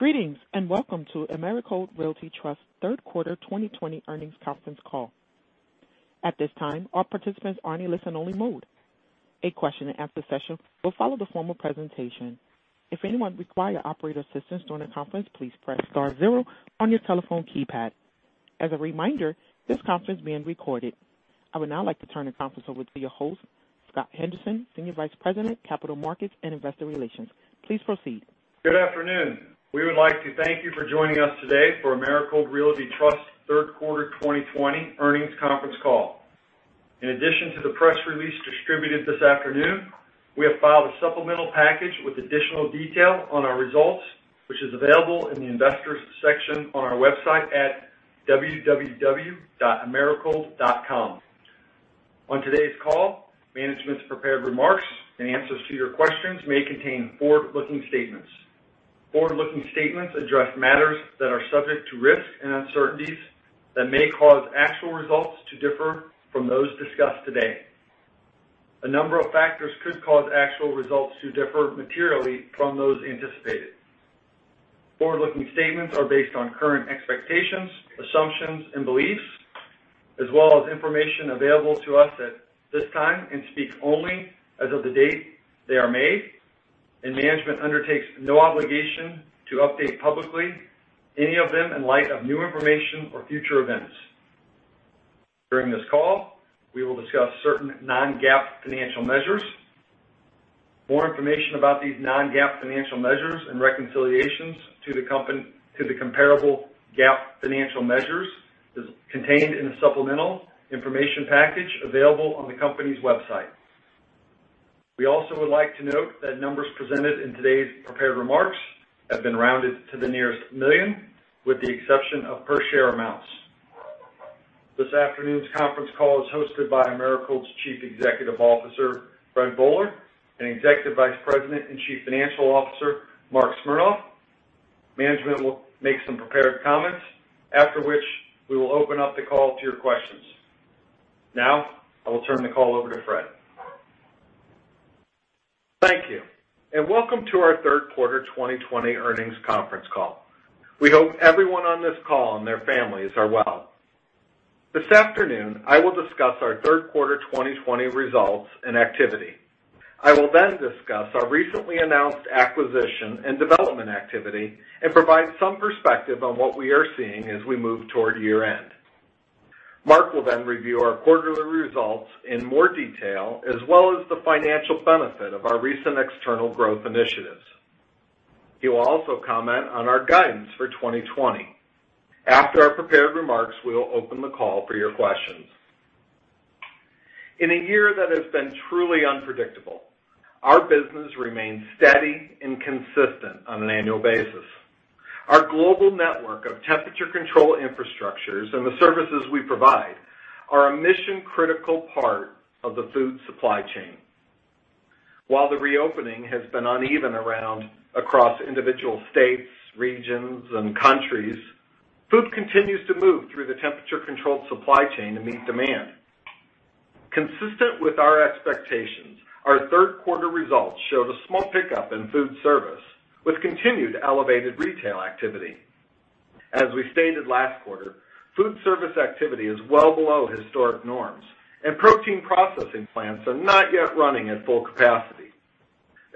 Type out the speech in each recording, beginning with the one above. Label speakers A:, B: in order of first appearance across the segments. A: Greetings, and welcome to Americold Realty Trust third quarter 2020 earnings conference call. At this time, all participants are in a listen-only mode. A question-and-answer session will follow the formal presentation. If anyone requires operator assistance during the conference, please press star zero on your telephone keypad. As a reminder, this conference is being recorded. I would now like to turn the conference over to your host, Scott Henderson, Senior Vice President, Capital Markets and Investor Relations. Please proceed.
B: Good afternoon. We would like to thank you for joining us today for Americold Realty Trust third quarter 2020 earnings conference call. In addition to the press release distributed this afternoon, we have filed a supplemental package with additional detail on our results, which is available in the Investors section on our website at www.americold.com. On today's call, management's prepared remarks and answers to your questions may contain forward-looking statements. Forward-looking statements address matters that are subject to risks and uncertainties that may cause actual results to differ from those discussed today. A number of factors could cause actual results to differ materially from those anticipated. Forward-looking statements are based on current expectations, assumptions, and beliefs, as well as information available to us at this time and speak only as of the date they are made, and management undertakes no obligation to update publicly any of them in light of new information or future events. During this call, we will discuss certain non-GAAP financial measures. More information about these non-GAAP financial measures and reconciliations to the comparable GAAP financial measures is contained in the supplemental information package available on the company's website. We also would like to note that numbers presented in today's prepared remarks have been rounded to the nearest million, with the exception of per share amounts. This afternoon's conference call is hosted by Americold's Chief Executive Officer, Fred Boehler, and Executive Vice President and Chief Financial Officer, Marc Smernoff. Management will make some prepared comments, after which we will open up the call to your questions. Now, I will turn the call over to Fred.
C: Thank you. Welcome to our third quarter 2020 earnings conference call. We hope everyone on this call and their families are well. This afternoon, I will discuss our third quarter 2020 results and activity. I will discuss our recently announced acquisition and development activity and provide some perspective on what we are seeing as we move toward year-end. Marc will review our quarterly results in more detail, as well as the financial benefit of our recent external growth initiatives. He will also comment on our guidance for 2020. After our prepared remarks, we will open the call for your questions. In a year that has been truly unpredictable, our business remains steady and consistent on an annual basis. Our global network of temperature-controlled infrastructures and the services we provide are a mission-critical part of the food supply chain. While the reopening has been uneven across individual states, regions, and countries, food continues to move through the temperature-controlled supply chain to meet demand. Consistent with our expectations, our third quarter results showed a small pickup in food service with continued elevated retail activity. As we stated last quarter, food service activity is well below historic norms, and protein processing plants are not yet running at full capacity.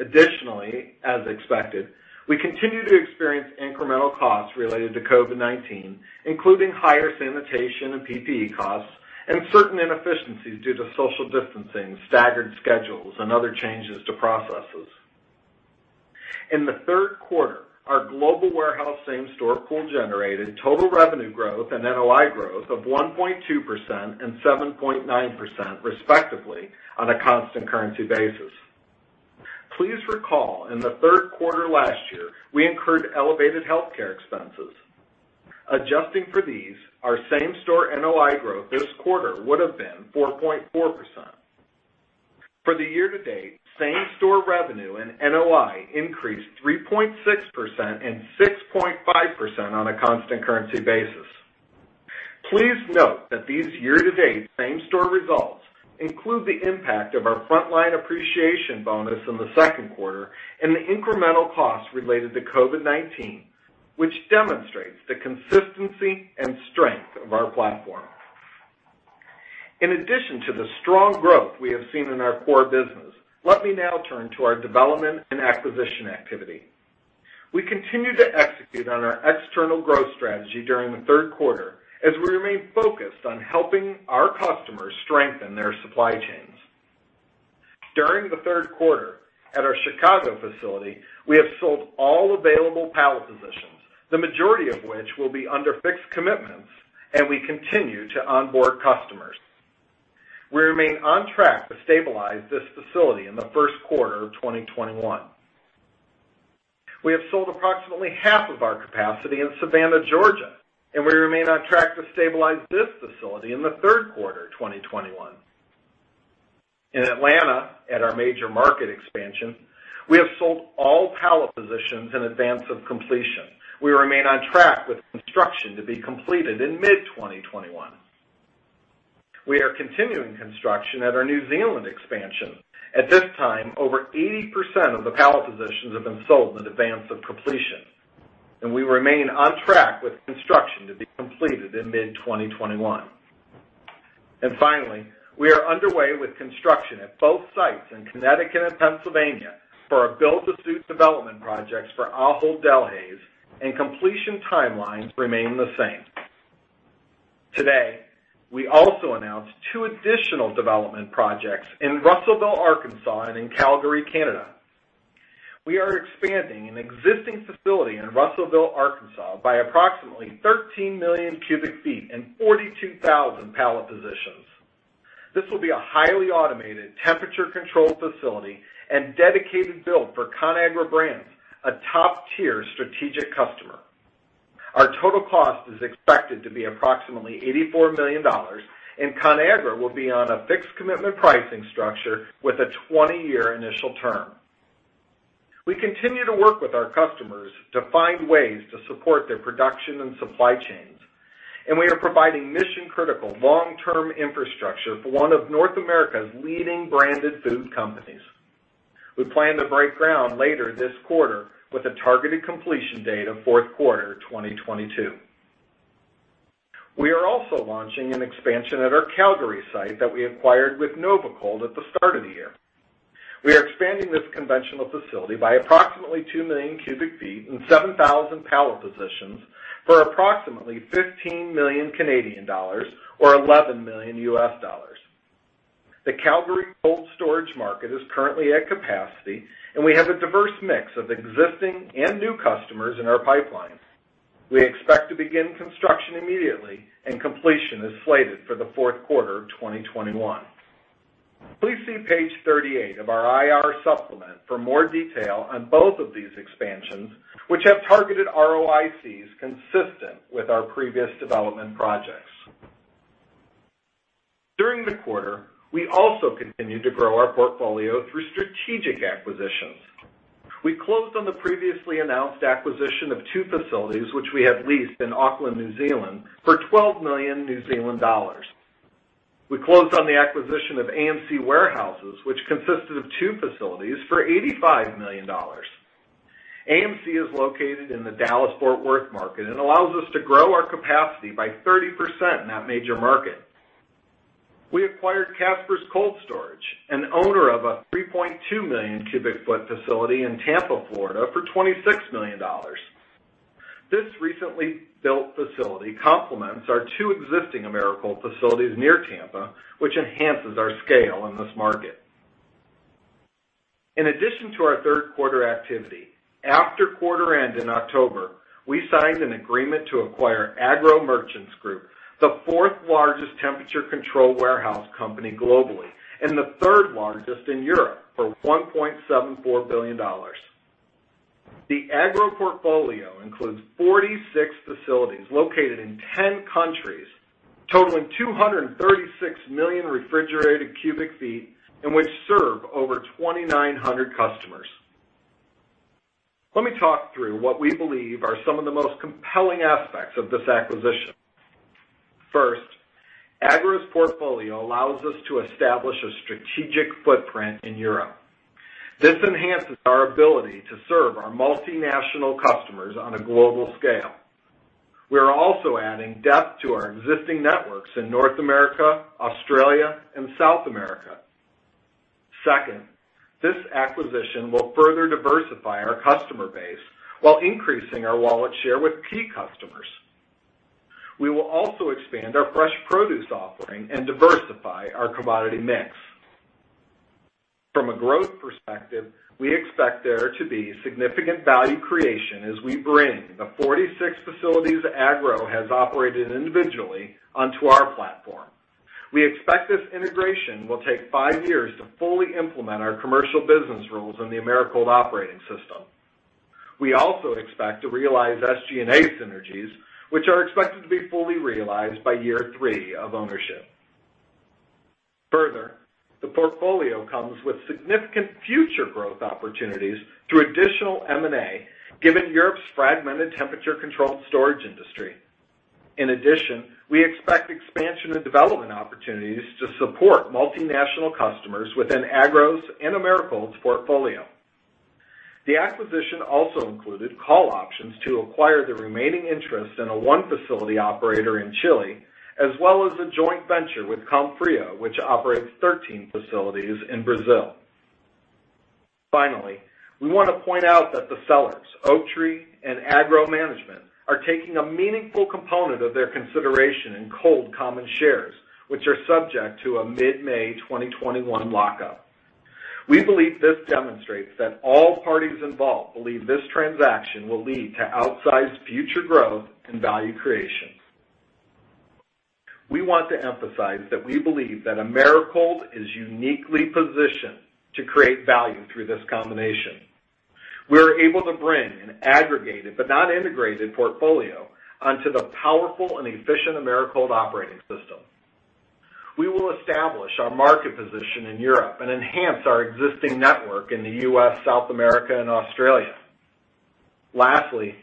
C: Additionally, as expected, we continue to experience incremental costs related to COVID-19, including higher sanitation and PPE costs and certain inefficiencies due to social distancing, staggered schedules, and other changes to processes. In the third quarter, our global warehouse same-store pool generated total revenue growth and NOI growth of 1.2% and 7.9%, respectively, on a constant currency basis. Please recall in the third quarter last year, we incurred elevated healthcare expenses. Adjusting for these, our same-store NOI growth this quarter would've been 4.4%. For the year-to-date, same-store revenue and NOI increased 3.6% and 6.5% on a constant currency basis. Please note that these year-to-date same-store results include the impact of our frontline appreciation bonus in the second quarter and the incremental cost related to COVID-19, which demonstrates the consistency and strength of our platform. In addition to the strong growth we have seen in our core business, let me now turn to our development and acquisition activity. We continue to execute on our external growth strategy during the third quarter as we remain focused on helping our customers strengthen their supply chains. During the third quarter, at our Chicago facility, we have sold all available pallet positions, the majority of which will be under fixed commitments, and we continue to onboard customers. We remain on track to stabilize this facility in the first quarter of 2021. We have sold approximately half of our capacity in Savannah, Georgia, and we remain on track to stabilize this facility in the third quarter 2021. In Atlanta, at our major market expansion, we have sold all pallet positions in advance of completion. We remain on track with construction to be completed in mid-2021. We are continuing construction at our New Zealand expansion. At this time, over 80% of the pallet positions have been sold in advance of completion, and we remain on track with construction to be completed in mid-2021. Finally, we are underway with construction at both sites in Connecticut and Pennsylvania for our build-to-suit development projects for Ahold Delhaize, and completion timelines remain the same. Today, we also announced two additional development projects in Russellville, Arkansas and in Calgary, Canada. We are expanding an existing facility in Russellville, Arkansas by approximately 13 million cubic feet and 42,000 pallet positions. This will be a highly automated temperature-controlled facility and dedicated build for Conagra Brands, a top-tier strategic customer. Our total cost is expected to be approximately $84 million, and Conagra will be on a fixed commitment pricing structure with a 20-year initial term. We continue to work with our customers to find ways to support their production and supply chains, and we are providing mission-critical long-term infrastructure for one of North America's leading branded food companies. We plan to break ground later this quarter with a targeted completion date of fourth quarter 2022. We are also launching an expansion at our Calgary site that we acquired with Nova Cold at the start of the year. We are expanding this conventional facility by approximately 2 million cubic feet and 7,000 pallet positions for approximately 15 million Canadian dollars or $11 million. The Calgary cold storage market is currently at capacity, and we have a diverse mix of existing and new customers in our pipeline. We expect to begin construction immediately and completion is slated for the fourth quarter of 2021. Please see page 38 of our IR supplement for more detail on both of these expansions, which have targeted ROICs consistent with our previous development projects. During the quarter, we also continued to grow our portfolio through strategic acquisitions. We closed on the previously announced acquisition of two facilities, which we have leased in Auckland, New Zealand for 12 million New Zealand dollars. We closed on the acquisition of AM-C Warehouses, which consisted of two facilities for $85 million. AM-C is located in the Dallas-Fort Worth market and allows us to grow our capacity by 30% in that major market. We acquired Caspers Cold Storage, an owner of a 3.2 million cubic foot facility in Tampa, Florida for $26 million. This recently built facility complements our two existing Americold facilities near Tampa, which enhances our scale in this market. In addition to our third quarter activity, after quarter end in October, we signed an agreement to acquire Agro Merchants Group, the fourth largest temperature-controlled warehouse company globally and the third largest in Europe for $1.74 billion. The Agro portfolio includes 46 facilities located in 10 countries, totaling 236 million refrigerated cubic feet and which serve over 2,900 customers. Let me talk through what we believe are some of the most compelling aspects of this acquisition. First, Agro's portfolio allows us to establish a strategic footprint in Europe. This enhances our ability to serve our multinational customers on a global scale. We are also adding depth to our existing networks in North America, Australia, and South America. Second, this acquisition will further diversify our customer base while increasing our wallet share with key customers. We will also expand our fresh produce offering and diversify our commodity mix. From a growth perspective, we expect there to be significant value creation as we bring the 46 facilities Agro has operated individually onto our platform. We expect this integration will take five years to fully implement our commercial business rules in the Americold Operating System. We also expect to realize SG&A synergies, which are expected to be fully realized by year three of ownership. Further, the portfolio comes with significant future growth opportunities through additional M&A, given Europe's fragmented temperature-controlled storage industry. In addition, we expect expansion and development opportunities to support multinational customers within Agro's and Americold's portfolio. The acquisition also included call options to acquire the remaining interest in a one-facility operator in Chile, as well as a joint venture with Comfrio, which operates 13 facilities in Brazil. Finally, we want to point out that the sellers, Oaktree and Agro Merchants Group, are taking a meaningful component of their consideration in COLD common shares, which are subject to a mid-May 2021 lockup. We believe this demonstrates that all parties involved believe this transaction will lead to outsized future growth and value creation. We want to emphasize that we believe that Americold is uniquely positioned to create value through this combination. We are able to bring an aggregated but not integrated portfolio onto the powerful and efficient Americold Operating System. We will establish our market position in Europe and enhance our existing network in the U.S., South America, and Australia. Lastly,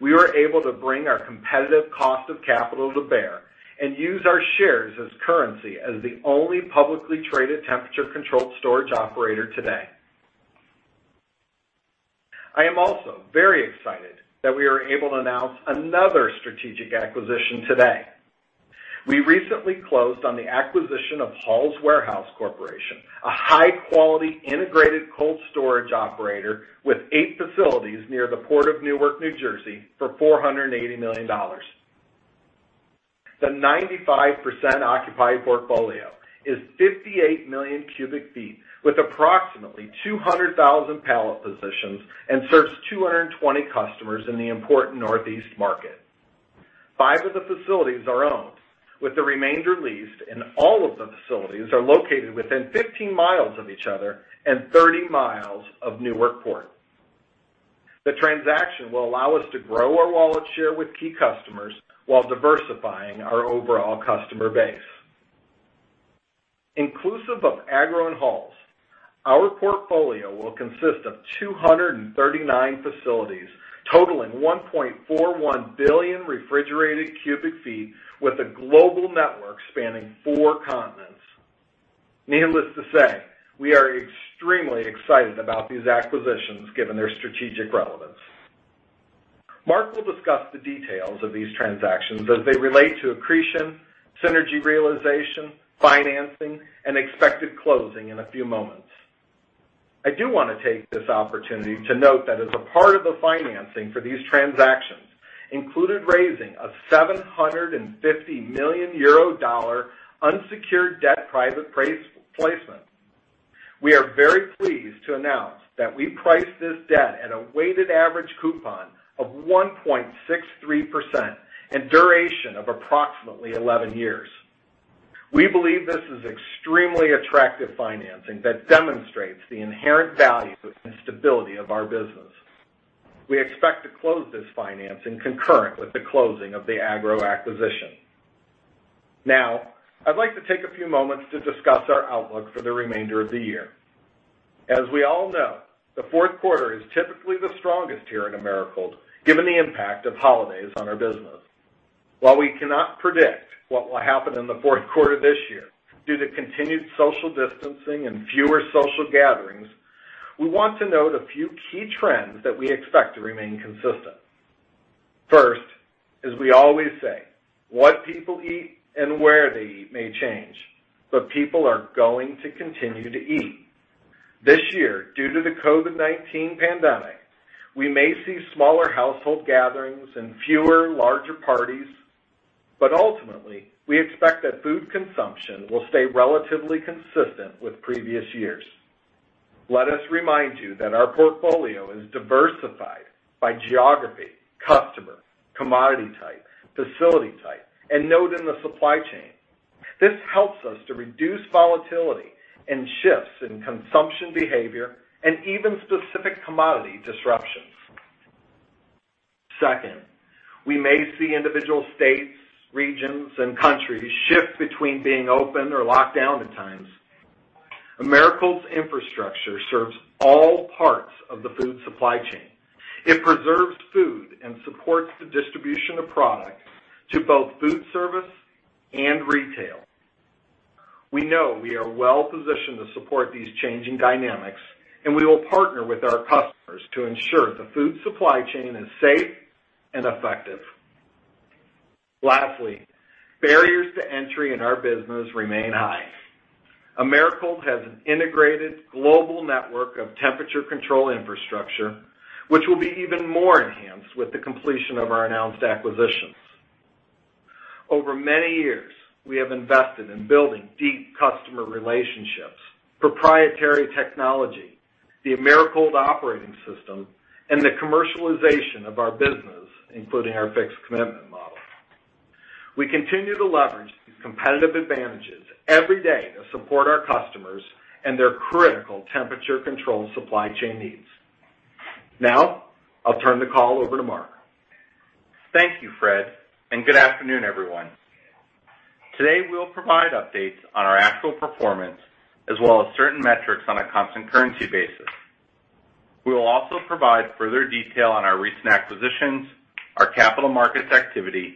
C: we were able to bring our competitive cost of capital to bear and use our shares as currency as the only publicly traded temperature-controlled storage operator today. I am also very excited that we are able to announce another strategic acquisition today. We recently closed on the acquisition of Halls Warehouse Corporation, a high-quality integrated cold storage operator with eight facilities near the Port of Newark, New Jersey, for $480 million. The 95% occupied portfolio is 58 million cubic feet with approximately 200,000 pallet positions and serves 220 customers in the important Northeast market. Five of the facilities are owned, with the remainder leased, and all of the facilities are located within 15 miles of each other and 30 miles of Newark Port. The transaction will allow us to grow our wallet share with key customers while diversifying our overall customer base. Inclusive of Agro and Halls, our portfolio will consist of 239 facilities totaling 1.41 billion refrigerated cubic feet with a global network spanning four continents. Needless to say, we are extremely excited about these acquisitions given their strategic relevance. Marc will discuss the details of these transactions as they relate to accretion, synergy realization, financing, and expected closing in a few moments. I do want to take this opportunity to note that as a part of the financing for these transactions included raising a EUR 750 million unsecured debt private placement. We are very pleased to announce that we priced this debt at a weighted average coupon of 1.63% and duration of approximately 11 years. We believe this is extremely attractive financing that demonstrates the inherent value and stability of our business. We expect to close this financing concurrent with the closing of the Agro acquisition. Now, I'd like to take a few moments to discuss our outlook for the remainder of the year. As we all know, the fourth quarter is typically the strongest here in Americold, given the impact of holidays on our business. While we cannot predict what will happen in the fourth quarter this year due to continued social distancing and fewer social gatherings, we want to note a few key trends that we expect to remain consistent. First, as we always say, what people eat and where they eat may change, but people are going to continue to eat. This year, due to the COVID-19 pandemic, we may see smaller household gatherings and fewer larger parties. Ultimately, we expect that food consumption will stay relatively consistent with previous years. Let us remind you that our portfolio is diversified by geography, customer, commodity type, facility type, and node in the supply chain. This helps us to reduce volatility and shifts in consumption behavior and even specific commodity disruptions. Second, we may see individual states, regions, and countries shift between being open or locked down at times. Americold's infrastructure serves all parts of the food supply chain. It preserves food and supports the distribution of product to both food service and retail. We know we are well-positioned to support these changing dynamics, and we will partner with our customers to ensure the food supply chain is safe and effective. Barriers to entry in our business remain high. Americold has an integrated global network of temperature control infrastructure, which will be even more enhanced with the completion of our announced acquisitions. Over many years, we have invested in building deep customer relationships, proprietary technology, the Americold Operating System, and the commercialization of our business, including our fixed commitment model. We continue to leverage these competitive advantages every day to support our customers and their critical temperature control supply chain needs. Now, I'll turn the call over to Marc.
D: Thank you, Fred. Good afternoon, everyone. Today, we'll provide updates on our actual performance as well as certain metrics on a constant currency basis. We will also provide further detail on our recent acquisitions, our capital markets activity,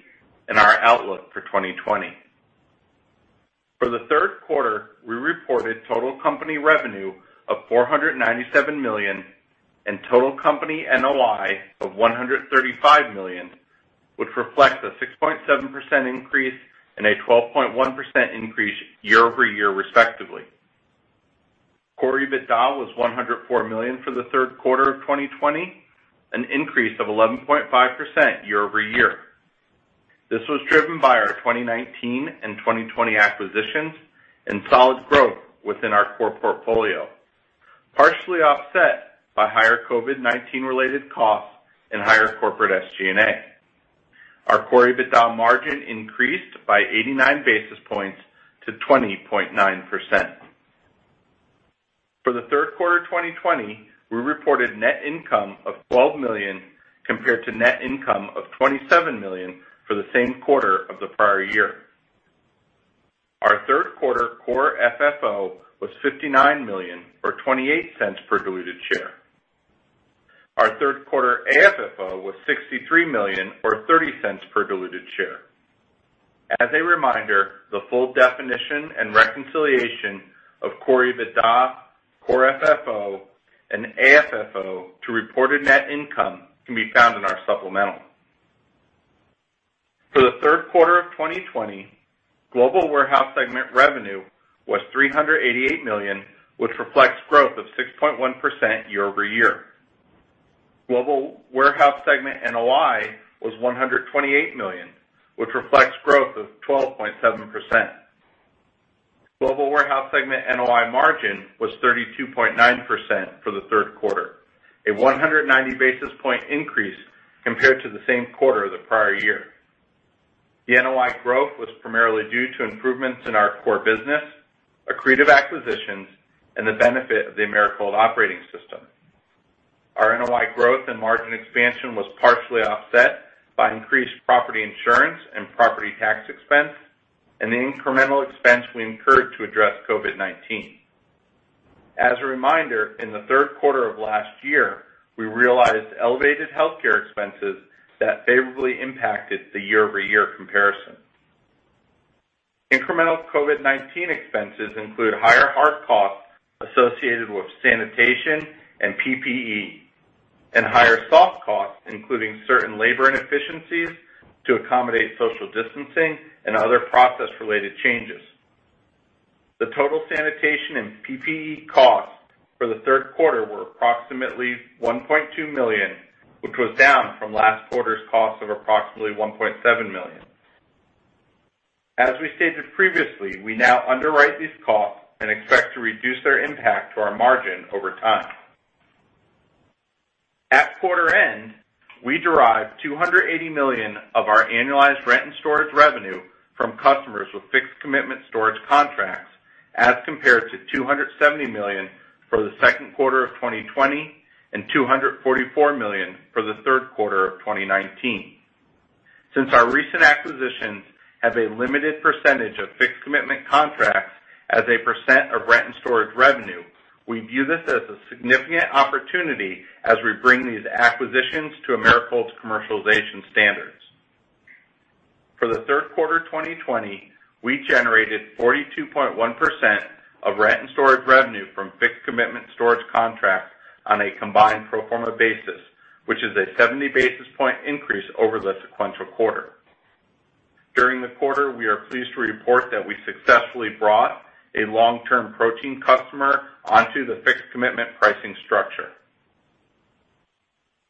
D: and our outlook for 2020. For the third quarter, we reported total company revenue of $497 million and total company NOI of $135 million, which reflects a 6.7% increase and a 12.1% increase year-over-year, respectively. Core EBITDA was $104 million for the third quarter of 2020, an increase of 11.5% year-over-year. This was driven by our 2019 and 2020 acquisitions and solid growth within our core portfolio, partially offset by higher COVID-19 related costs and higher corporate SG&A. Our Core EBITDA margin increased by 89 basis points to 20.9%. For the third quarter 2020, we reported net income of $12 million compared to net income of $27 million for the same quarter of the prior year. Third quarter Core FFO was $59 million, or $0.28 per diluted share. Our third quarter AFFO was $63 million, or $0.30 per diluted share. As a reminder, the full definition and reconciliation of Core EBITDA, Core FFO, and AFFO to reported net income can be found in our supplemental. For the third quarter of 2020, Global Warehouse segment revenue was $388 million, which reflects growth of 6.1% year-over-year. Global Warehouse segment NOI was $128 million, which reflects growth of 12.7%. Global Warehouse segment NOI margin was 32.9% for the third quarter, a 190 basis point increase compared to the same quarter of the prior year. The NOI growth was primarily due to improvements in our core business, accretive acquisitions, and the benefit of the Americold Operating System. Our NOI growth and margin expansion was partially offset by increased property insurance and property tax expense, and the incremental expense we incurred to address COVID-19. As a reminder, in the third quarter of last year, we realized elevated healthcare expenses that favorably impacted the year-over-year comparison. Incremental COVID-19 expenses include higher hard costs associated with sanitation and PPE, and higher soft costs, including certain labor inefficiencies to accommodate social distancing and other process-related changes. The total sanitation and PPE costs for the third quarter were approximately $1.2 million, which was down from last quarter's cost of approximately $1.7 million. As we stated previously, we now underwrite these costs and expect to reduce their impact to our margin over time. At quarter end, we derived $280 million of our annualized rent and storage revenue from customers with fixed commitment storage contracts, as compared to $270 million for the second quarter of 2020 and $244 million for the third quarter of 2019. Our recent acquisitions have a limited percentage of fixed commitment contracts as a percent of rent and storage revenue, we view this as a significant opportunity as we bring these acquisitions to Americold's commercialization standards. The third quarter 2020, we generated 42.1% of rent and storage revenue from fixed commitment storage contracts on a combined pro forma basis, which is a 70 basis point increase over the sequential quarter. During the quarter, we are pleased to report that we successfully brought a long-term protein customer onto the fixed commitment pricing structure.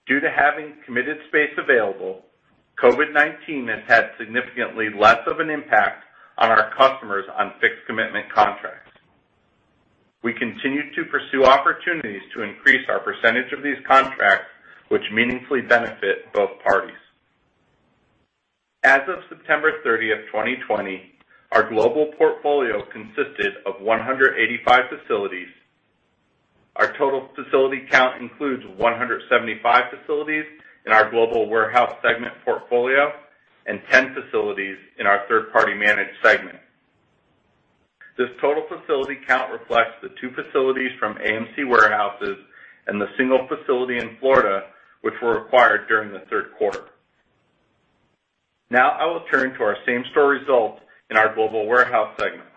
D: Due to having committed space available, COVID-19 has had significantly less of an impact on our customers on fixed commitment contracts. We continue to pursue opportunities to increase our percentage of these contracts, which meaningfully benefit both parties. As of September 30th, 2020, our global portfolio consisted of 185 facilities. Our total facility count includes 175 facilities in our global warehouse segment portfolio and 10 facilities in our third-party managed segment. This total facility count reflects the two facilities from AM-C Warehouses and the single facility in Florida, which were acquired during the third quarter. Now I will turn to our same-store results in our Global Warehouse segment.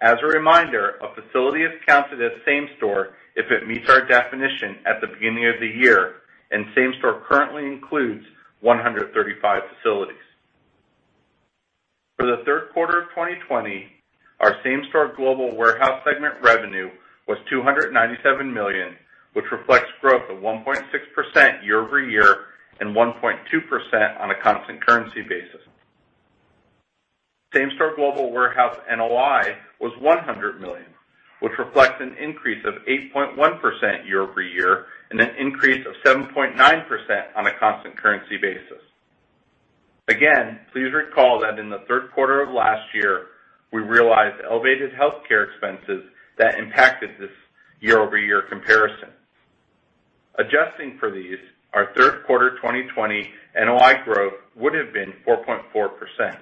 D: As a reminder, a facility is counted as same store if it meets our definition at the beginning of the year, and same store currently includes 135 facilities. For the third quarter of 2020, our same-store Global Warehouse segment revenue was $297 million, which reflects growth of 1.6% year-over-year and 1.2% on a constant currency basis. Same-store Global Warehouse NOI was $100 million, which reflects an increase of 8.1% year-over-year and an increase of 7.9% on a constant currency basis. Again, please recall that in the third quarter of last year, we realized elevated healthcare expenses that impacted this year-over-year comparison. Adjusting for these, our third quarter 2020 NOI growth would've been 4.4%.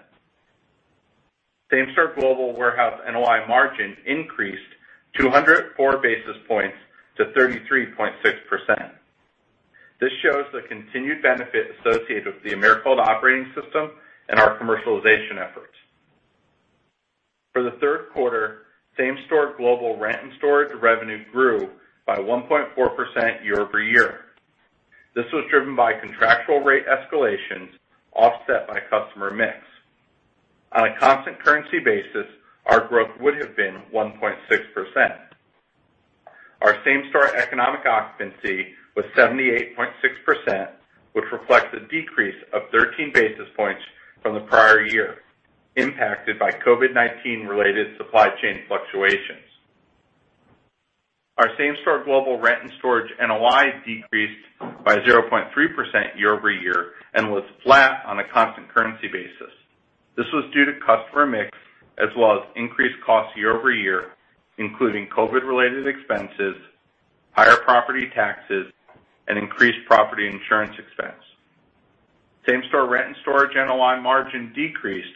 D: Same-store Global Warehouse NOI margin increased 204 basis points to 33.6%. This shows the continued benefit associated with the Americold Operating System and our commercialization efforts. For the third quarter, same-store global rent and storage revenue grew by 1.4% year-over-year. This was driven by contractual rate escalations offset by customer mix. On a constant currency basis, our growth would have been 1.6%. Our same-store economic occupancy was 78.6%, which reflects a decrease of 13 basis points from the prior year, impacted by COVID-19 related supply chain fluctuations. Our same-store global rent and storage NOI decreased by 0.3% year-over-year and was flat on a constant currency basis. This was due to customer mix as well as increased costs year-over-year, including COVID related expenses, higher property taxes, and increased property insurance expense. Same-store Rent and Storage NOI margin decreased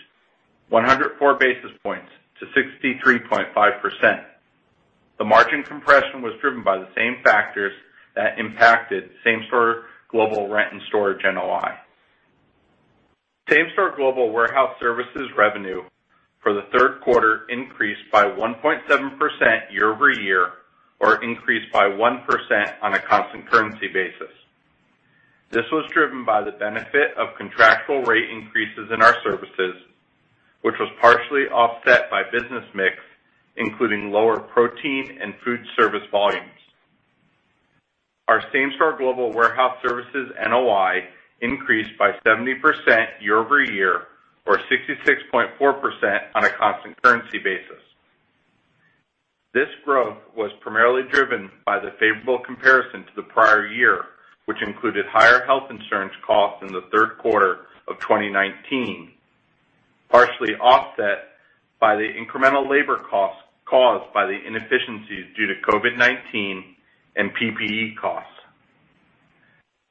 D: 104 basis points to 63.5%. The margin compression was driven by the same factors that impacted same-store global Rent and Storage NOI. Same-store global warehouse services revenue for the third quarter increased by 1.7% year-over-year or increased by 1% on a constant currency basis. This was driven by the benefit of contractual rate increases in our services, which was partially offset by business mix, including lower protein and food service volumes. Our same-store Global Warehouse services NOI increased by 70% year-over-year or 66.4% on a constant currency basis. This growth was primarily driven by the favorable comparison to the prior year, which included higher health insurance costs in the third quarter of 2019, partially offset by the incremental labor cost caused by the inefficiencies due to COVID-19 and PPE costs.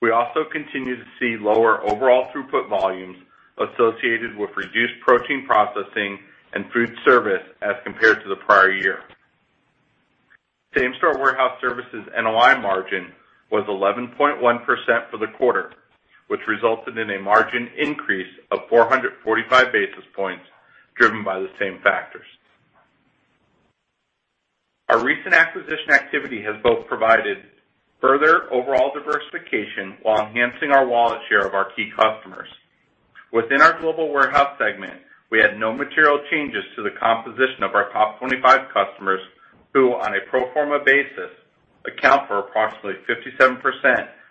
D: We also continue to see lower overall throughput volumes associated with reduced protein processing and food service as compared to the prior year. Same-store warehouse services NOI margin was 11.1% for the quarter, which resulted in a margin increase of 445 basis points, driven by the same factors. Our recent acquisition activity has both provided further overall diversification while enhancing our wallet share of our key customers. Within our Global Warehouse segment, we had no material changes to the composition of our top 25 customers, who, on a pro forma basis, account for approximately 57%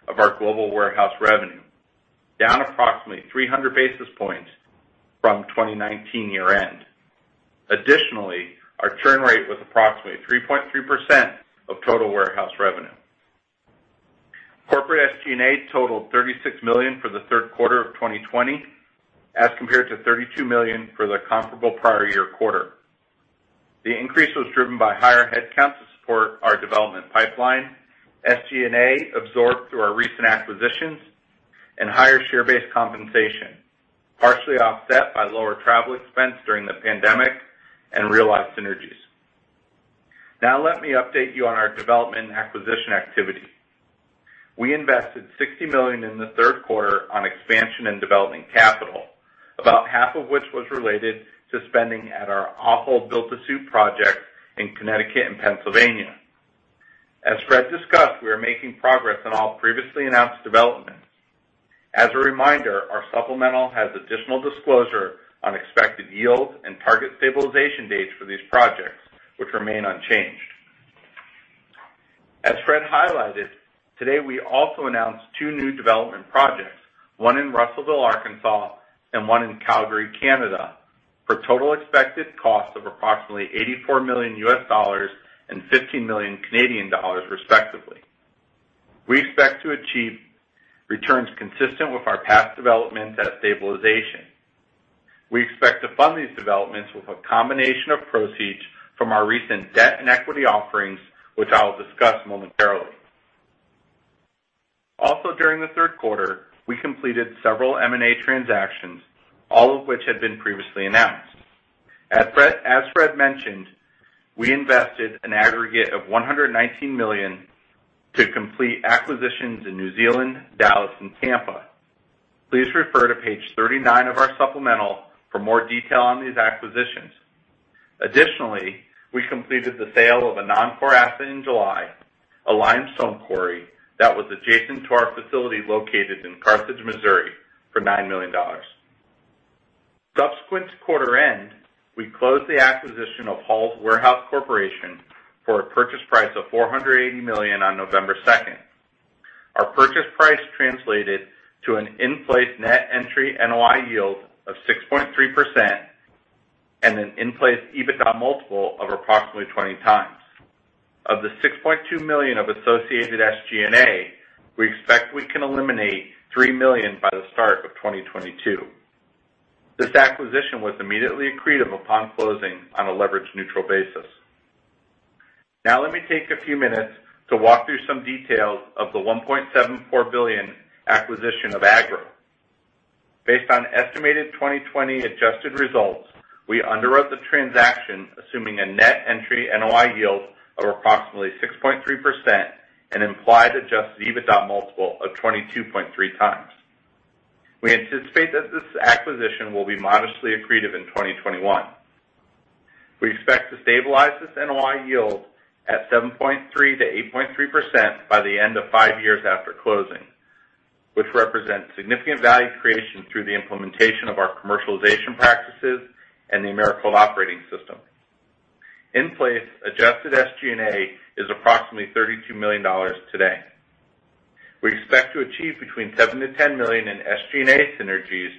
D: of our Global Warehouse revenue, down approximately 300 basis points from 2019 year-end. Additionally, our churn rate was approximately 3.3% of total warehouse revenue. Corporate SG&A totaled $36 million for the third quarter of 2020 as compared to $32 million for the comparable prior year quarter. The increase was driven by higher headcounts to support our development pipeline, SG&A absorbed through our recent acquisitions, and higher share-based compensation, partially offset by lower travel expense during the pandemic and realized synergies. Let me update you on our development and acquisition activity. We invested $60 million in the third quarter on expansion and development capital, about half of which was related to spending at our Ahold build-to-suit project in Connecticut and Pennsylvania. As Fred discussed, we are making progress on all previously announced developments. As a reminder, our supplemental has additional disclosure on expected yield and target stabilization dates for these projects, which remain unchanged. As Fred highlighted, today, we also announced two new development projects, one in Russellville, Arkansas, and one in Calgary, Canada, for a total expected cost of approximately $84 million and 15 million Canadian dollars respectively. We expect to achieve returns consistent with our past developments at stabilization. We expect to fund these developments with a combination of proceeds from our recent debt and equity offerings, which I'll discuss momentarily. Also, during the third quarter, we completed several M&A transactions, all of which had been previously announced. As Fred mentioned, we invested an aggregate of $119 million to complete acquisitions in New Zealand, Dallas, and Tampa. Please refer to page 39 of our supplemental for more detail on these acquisitions. Additionally, we completed the sale of a non-core asset in July, a limestone quarry that was adjacent to our facility located in Carthage, Missouri for $9 million. Subsequent to quarter end, we closed the acquisition of Halls Warehouse Corporation for a purchase price of $480 million on November 2nd. Our purchase price translated to an in-place net entry NOI yield of 6.3% and an in-place EBITDA multiple of approximately 20x. Of the $6.2 million of associated SG&A, we expect we can eliminate $3 million by the start of 2022. This acquisition was immediately accretive upon closing on a leverage-neutral basis. Now, let me take a few minutes to walk through some details of the $1.74 billion acquisition of Agro. Based on estimated 2020 adjusted results, we underwrote the transaction assuming a net entry NOI yield of approximately 6.3% and implied adjusted EBITDA multiple of 22.3x. We anticipate that this acquisition will be modestly accretive in 2021. We expect to stabilize this NOI yield at 7.3%-8.3% by the end of five years after closing, which represents significant value creation through the implementation of our commercialization practices and the Americold Operating System. In place, adjusted SG&A is approximately $32 million today. We expect to achieve between $7 million-$10 million in SG&A synergies,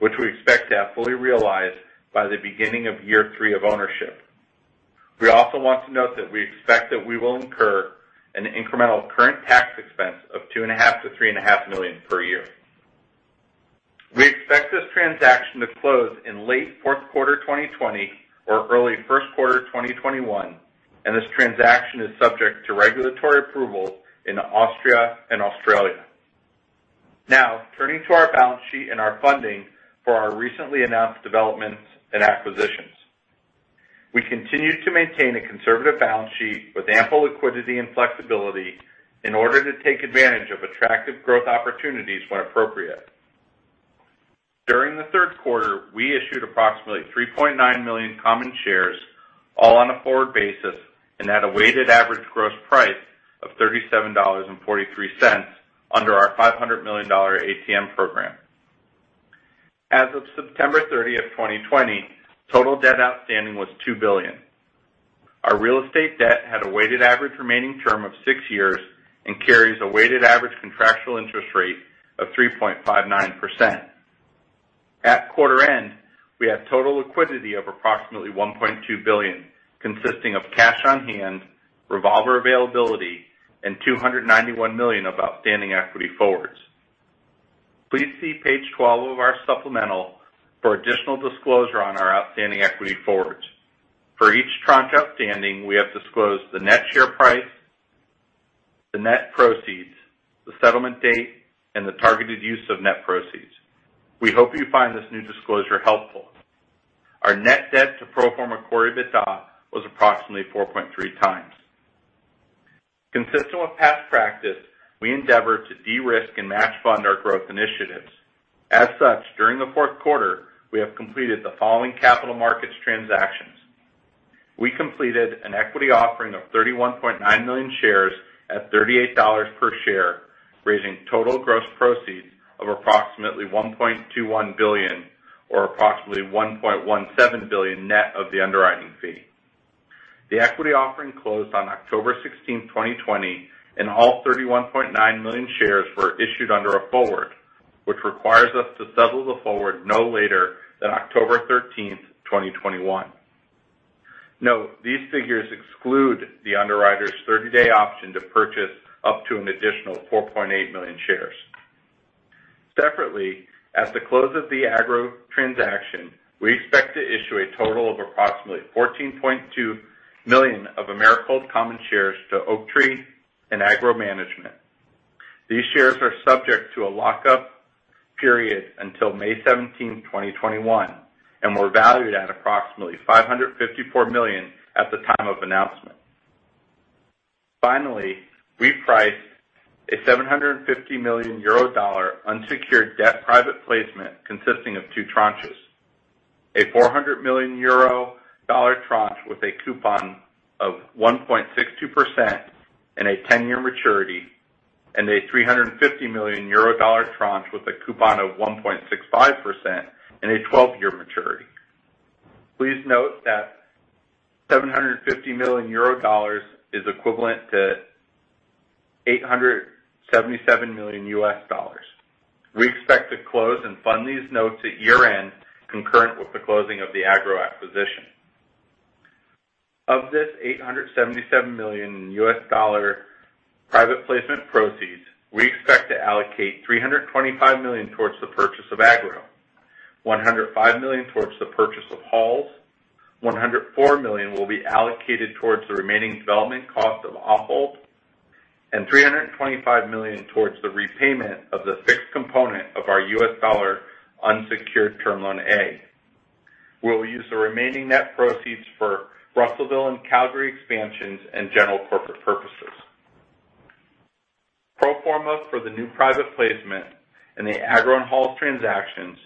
D: which we expect to have fully realized by the beginning of year three of ownership. We also want to note that we expect that we will incur an incremental current tax expense of $2.5 million-$3.5 million per year. We expect this transaction to close in late Q4 2020 or early Q1 2021. This transaction is subject to regulatory approval in Austria and Australia. Now, turning to our balance sheet and our funding for our recently announced developments and acquisitions. We continue to maintain a conservative balance sheet with ample liquidity and flexibility in order to take advantage of attractive growth opportunities when appropriate. During the third quarter, we issued approximately 3.9 million common shares, all on a forward basis and at a weighted average gross price of $37.43 under our $500 million ATM program. As of September 30, 2020, total debt outstanding was $2 billion. Our real estate debt had a weighted average remaining term of six years and carries a weighted average contractual interest rate of 3.59%. At quarter end, we had total liquidity of approximately $1.2 billion, consisting of cash on hand, revolver availability, and $291 million of outstanding equity forwards. Please see page 12 of our supplemental for additional disclosure on our outstanding equity forwards. For each tranche outstanding, we have disclosed the net share price, the net proceeds, the settlement date, and the targeted use of net proceeds. We hope you find this new disclosure helpful. Our net debt to pro forma Core EBITDA was approximately 4.3x. Consistent with past practice, we endeavor to de-risk and match fund our growth initiatives. As such, during the fourth quarter, we have completed the following capital markets transactions. We completed an equity offering of 31.9 million shares at $38 per share, raising total gross proceeds of approximately $1.21 billion or approximately $1.17 billion net of the underwriting fee. The equity offering closed on October 16th, 2020, and all 31.9 million shares were issued under a forward, which requires us to settle the forward no later than October 13th, 2021. Note, these figures exclude the underwriter's 30-day option to purchase up to an additional 4.8 million shares. Separately, at the close of the Agro transaction, we expect to issue a total of approximately 14.2 million of Americold common shares to Oaktree and Agro Management. These shares are subject to a lock-up period until May 17th, 2021, and were valued at approximately $554 million at the time of announcement. Finally, we priced a EUR 750 million unsecured debt private placement consisting of two tranches. A EUR 400 million tranche with a coupon of 1.62% and a 10-year maturity, a EUR 350 million tranche with a coupon of 1.65% and a 12-year maturity. Please note that EUR 750 million is equivalent to $877 million. We expect to close and fund these notes at year-end, concurrent with the closing of the Agro acquisition. Of this $877 million private placement proceeds, we expect to allocate $325 million towards the purchase of Agro, $105 million towards the purchase of Halls, $104 million will be allocated towards the remaining development cost of Ahold, and $325 million towards the repayment of the fixed component of our US dollar unsecured term loan A. We'll use the remaining net proceeds for Russellville and Calgary expansions and general corporate purposes. Pro forma for the new private placement and the Agro and Halls transactions,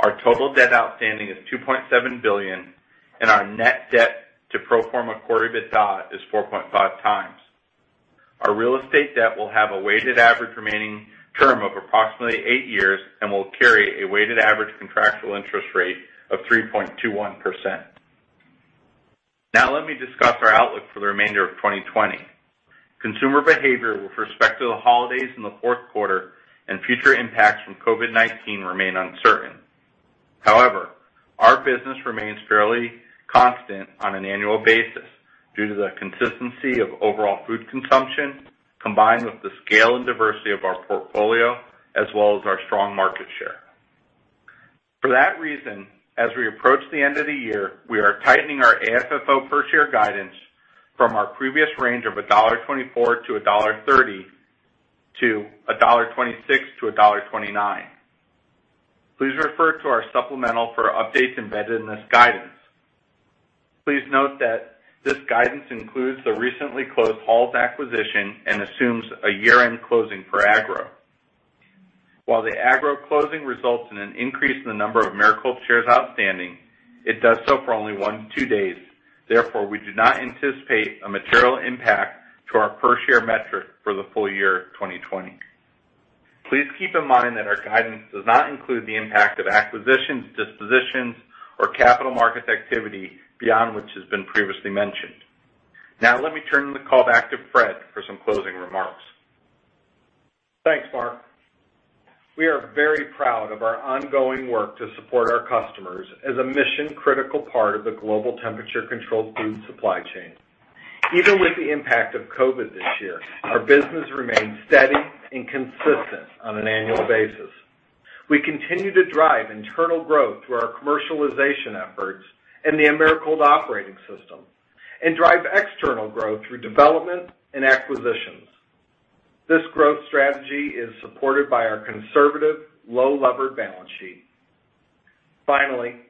D: our total debt outstanding is $2.7 billion, and our net debt to pro forma Core EBITDA is 4.5x. Our real estate debt will have a weighted average remaining term of approximately eight years and will carry a weighted average contractual interest rate of 3.21%. Let me discuss our outlook for the remainder of 2020. Consumer behavior with respect to the holidays in the fourth quarter and future impacts from COVID-19 remain uncertain. Our business remains fairly constant on an annual basis due to the consistency of overall food consumption, combined with the scale and diversity of our portfolio, as well as our strong market share. For that reason, as we approach the end of the year, we are tightening our AFFO per share guidance from our previous range of $1.24-$1.30 to $1.26-$1.29. Please refer to our supplemental for updates embedded in this guidance. Please note that this guidance includes the recently closed Halls acquisition and assumes a year-end closing for Agro. While the Agro closing results in an increase in the number of Americold shares outstanding, it does so for only one to two days. Therefore, we do not anticipate a material impact to our per share metric for the full year 2020. Please keep in mind that our guidance does not include the impact of acquisitions, dispositions, or capital markets activity beyond which has been previously mentioned. Now, let me turn the call back to Fred for some closing remarks.
C: Thanks, Marc. We are very proud of our ongoing work to support our customers as a mission-critical part of the global temperature-controlled food supply chain. Even with the impact of COVID this year, our business remains steady and consistent on an annual basis. We continue to drive internal growth through our commercialization efforts and the Americold Operating System and drive external growth through development and acquisitions. This growth strategy is supported by our conservative low-levered balance sheet. Finally,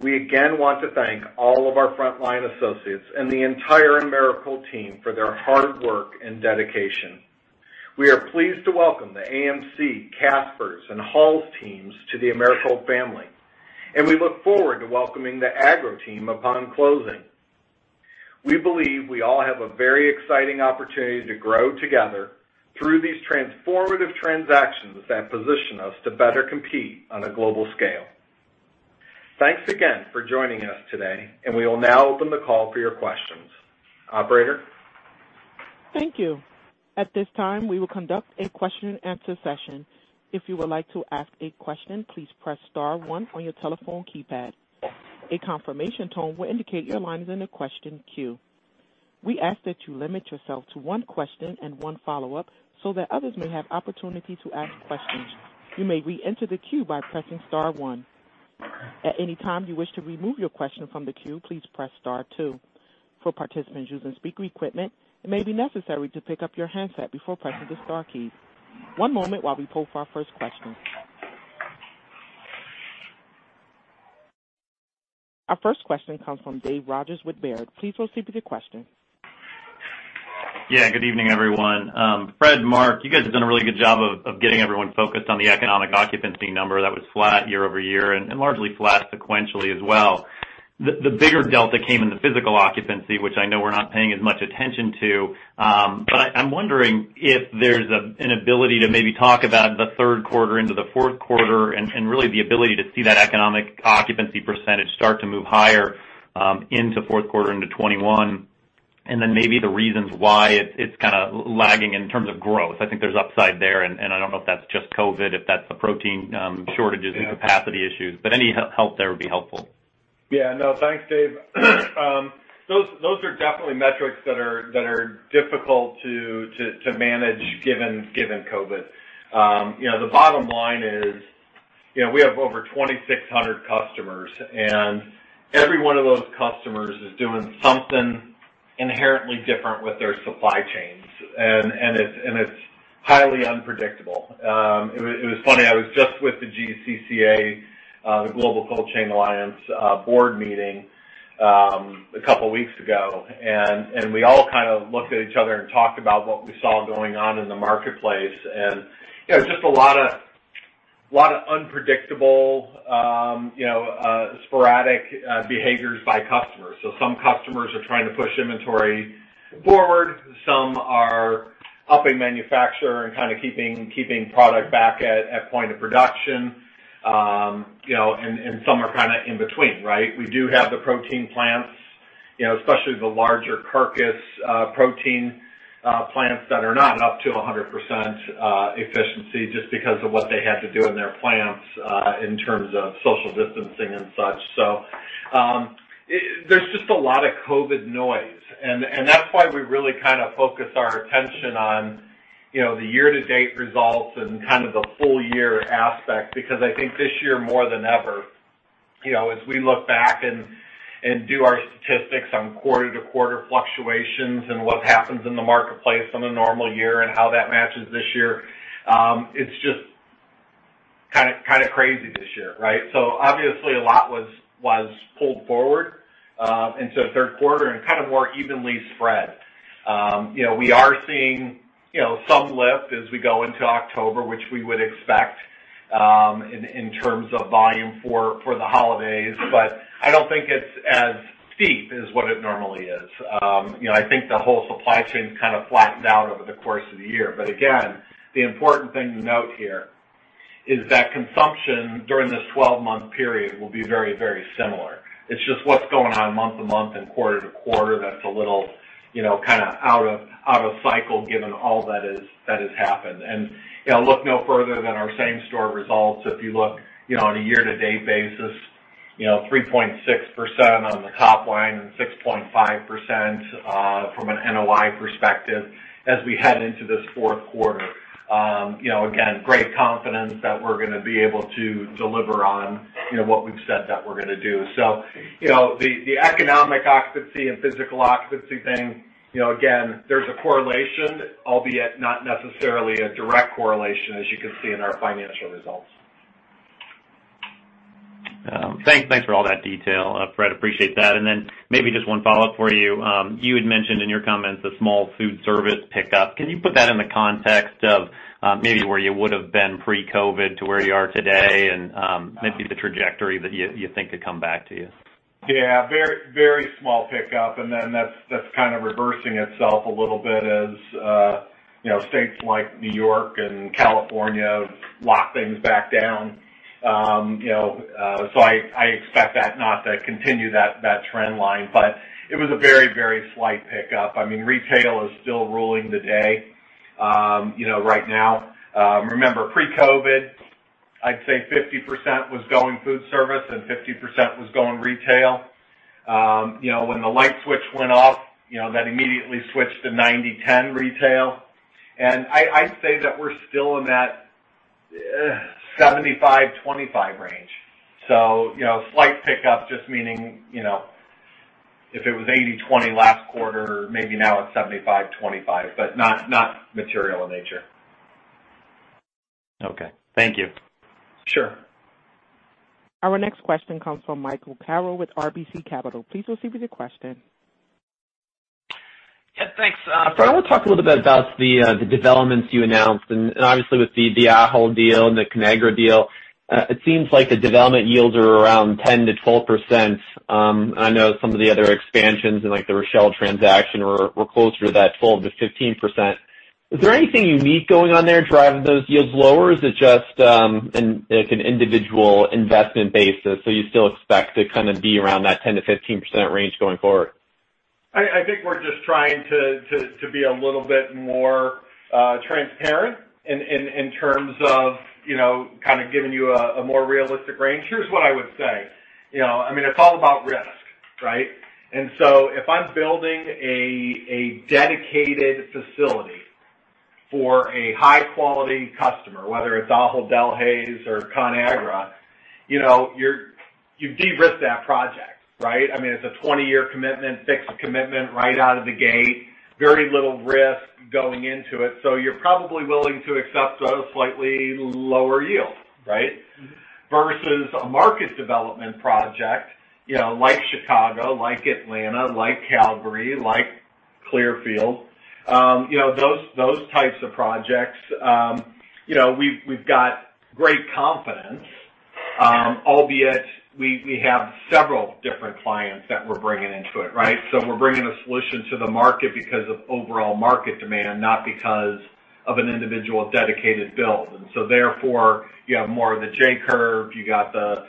C: we again want to thank all of our frontline associates and the entire Americold team for their hard work and dedication. We are pleased to welcome the AM-C, Caspers, and Halls teams to the Americold family, and we look forward to welcoming the Agro team upon closing. We believe we all have a very exciting opportunity to grow together through these transformative transactions that position us to better compete on a global scale. Thanks again for joining us today, and we will now open the call for your questions. Operator?
A: Thank you. At this time, we will conduct a question-and-answer session. If you would like to ask a question, please press star one on your telephone keypad. A confirmation tone will indicate your line is in the question queue. We ask that you limit yourself to one question and one follow-up so that others may have opportunity to ask questions. You may re-enter the queue by pressing star one. At any time you wish to remove your question from the queue, please press star two. For participants using speaker equipment, it may be necessary to pick up your handset before pressing the star keys. One moment while we poll for our first question. Our first question comes from Dave Rodgers with Baird. Please proceed with your question.
E: Yeah, good evening, everyone. Fred, Marc, you guys have done a really good job of getting everyone focused on the economic occupancy number that was flat year-over-year and largely flat sequentially as well. The bigger delta came in the physical occupancy, which I know we're not paying as much attention to. I'm wondering if there's an ability to maybe talk about the third quarter into the fourth quarter and really the ability to see that economic occupancy percentage start to move higher into fourth quarter into 2021, and then maybe the reasons why it's kind of lagging in terms of growth. I think there's upside there, and I don't know if that's just COVID, if that's the protein shortages and capacity issues. Any help there would be helpful.
C: Yeah, no. Thanks, Dave. Those are definitely metrics that are difficult to manage given COVID. The bottom line is we have over 2,600 customers, and every one of those customers is doing something inherently different with their supply chains. It's highly unpredictable. It was funny, I was just with the GCCA, the Global Cold Chain Alliance, board meeting a couple weeks ago, and we all kind of looked at each other and talked about what we saw going on in the marketplace. Just a lot of unpredictable sporadic behaviors by customers. Some customers are trying to push inventory forward. Some are upping manufacturing and kind of keeping product back at point of production. Some are kind of in between, right? We do have the protein plants, especially the larger carcass protein plants that are not up to 100% efficiency just because of what they had to do in their plants in terms of social distancing and such. There's just a lot of COVID noise, and that's why we really kind of focus our attention on the year-to-date results and kind of the full year aspect. I think this year, more than ever, as we look back and do our statistics on quarter-to-quarter fluctuations and what happens in the marketplace on a normal year and how that matches this year, it's just kind of crazy this year, right? Obviously, a lot was pulled forward into third quarter and kind of more evenly spread. We are seeing some lift as we go into October, which we would expect in terms of volume for the holidays, but I don't think it's as steep as what it normally is. I think the whole supply chain kind of flattened out over the course of the year. Again, the important thing to note here is that consumption during this 12-month period will be very similar. It's just what's going on month-to-month and quarter-to-quarter that's a little kind of out of cycle given all that has happened. Look no further than our same-store results. If you look on a year-to-date basis, 3.6% on the top line and 6.5% from an NOI perspective as we head into this fourth quarter. Again, great confidence that we're going to be able to deliver on what we've said that we're going to do. The economic occupancy and physical occupancy thing, again, there's a correlation, albeit not necessarily a direct correlation, as you can see in our financial results.
E: Thanks for all that detail, Fred. Appreciate that. Maybe just one follow-up for you. You had mentioned in your comments the small food service pickup. Can you put that in the context of maybe where you would've been pre-COVID to where you are today and maybe the trajectory that you think could come back to you?
C: Yeah, very small pickup, and then that's kind of reversing itself a little bit as states like New York and California lock things back down. I expect that not to continue that trend line, but it was a very slight pickup. Retail is still ruling the day right now. Remember, pre-COVID, I'd say 50% was going food service and 50% was going retail. When the light switch went off, that immediately switched to 90/10 retail. I'd say that we're still in that 75/25 range. Slight pickup, just meaning, if it was 80/20 last quarter, maybe now it's 75/25, but not material in nature.
E: Okay. Thank you.
C: Sure.
A: Our next question comes from Michael Carroll with RBC Capital. Please proceed with your question.
F: Yeah, thanks. I want to talk a little bit about the developments you announced, and obviously with the Ahold deal and the Conagra deal. It seems like the development yields are around 10%-12%. I know some of the other expansions, like the Rochelle transaction, were closer to that 12%-15%. Is there anything unique going on there driving those yields lower, or is it just an individual investment basis, so you still expect to kind of be around that 10%-15% range going forward?
C: I think we're just trying to be a little bit more transparent in terms of kind of giving you a more realistic range. Here's what I would say. It's all about risk, right? If I'm building a dedicated facility for a high-quality customer, whether it's Ahold Delhaize or Conagra, you've de-risked that project, right? It's a 20-year commitment, fixed commitment right out of the gate, very little risk going into it. You're probably willing to accept a slightly lower yield, right? Versus a market development project, like Chicago, like Atlanta, like Calgary, like Clearfield. Those types of projects, we've got great confidence, albeit we have several different clients that we're bringing into it, right? We're bringing a solution to the market because of overall market demand, not because of an individual dedicated build. Therefore, you have more of the J-curve, you got the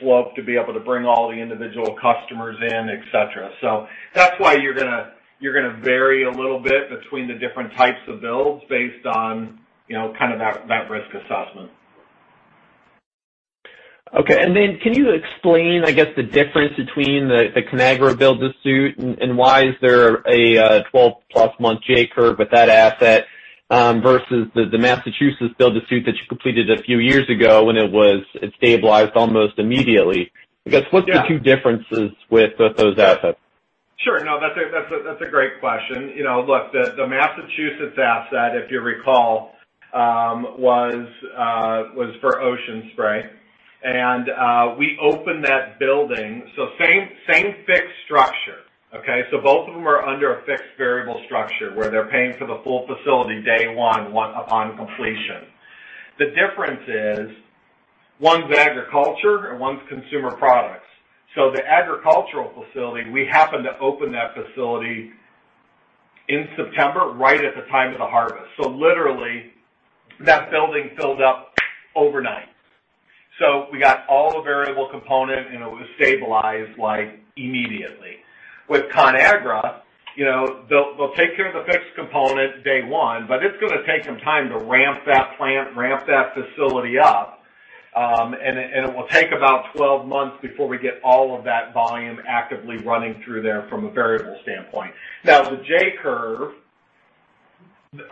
C: slope to be able to bring all the individual customers in, et cetera. That's why you're going to vary a little bit between the different types of builds based on kind of that risk assessment.
F: Okay. Can you explain, I guess, the difference between the Conagra build-to-suit, and why is there a 12+ month J-curve with that asset versus the Massachusetts build-to-suit that you completed a few years ago when it stabilized almost immediately? What's the two differences with those assets?
C: Sure. No. That's a great question. Look, the Massachusetts asset, if you recall, was for Ocean Spray. We opened that building, so same fixed structure, okay? Both of them are under a fixed variable structure, where they're paying for the full facility day one upon completion. The difference is one's agriculture and one's consumer products. The agricultural facility, we happened to open that facility in September, right at the time of the harvest. Literally, that building filled up overnight. We got all the variable component, and it was stabilized immediately. With Conagra, they'll take care of the fixed component day one, but it's going to take some time to ramp that plant, ramp that facility up. It will take about 12 months before we get all of that volume actively running through there from a variable standpoint. The J-curve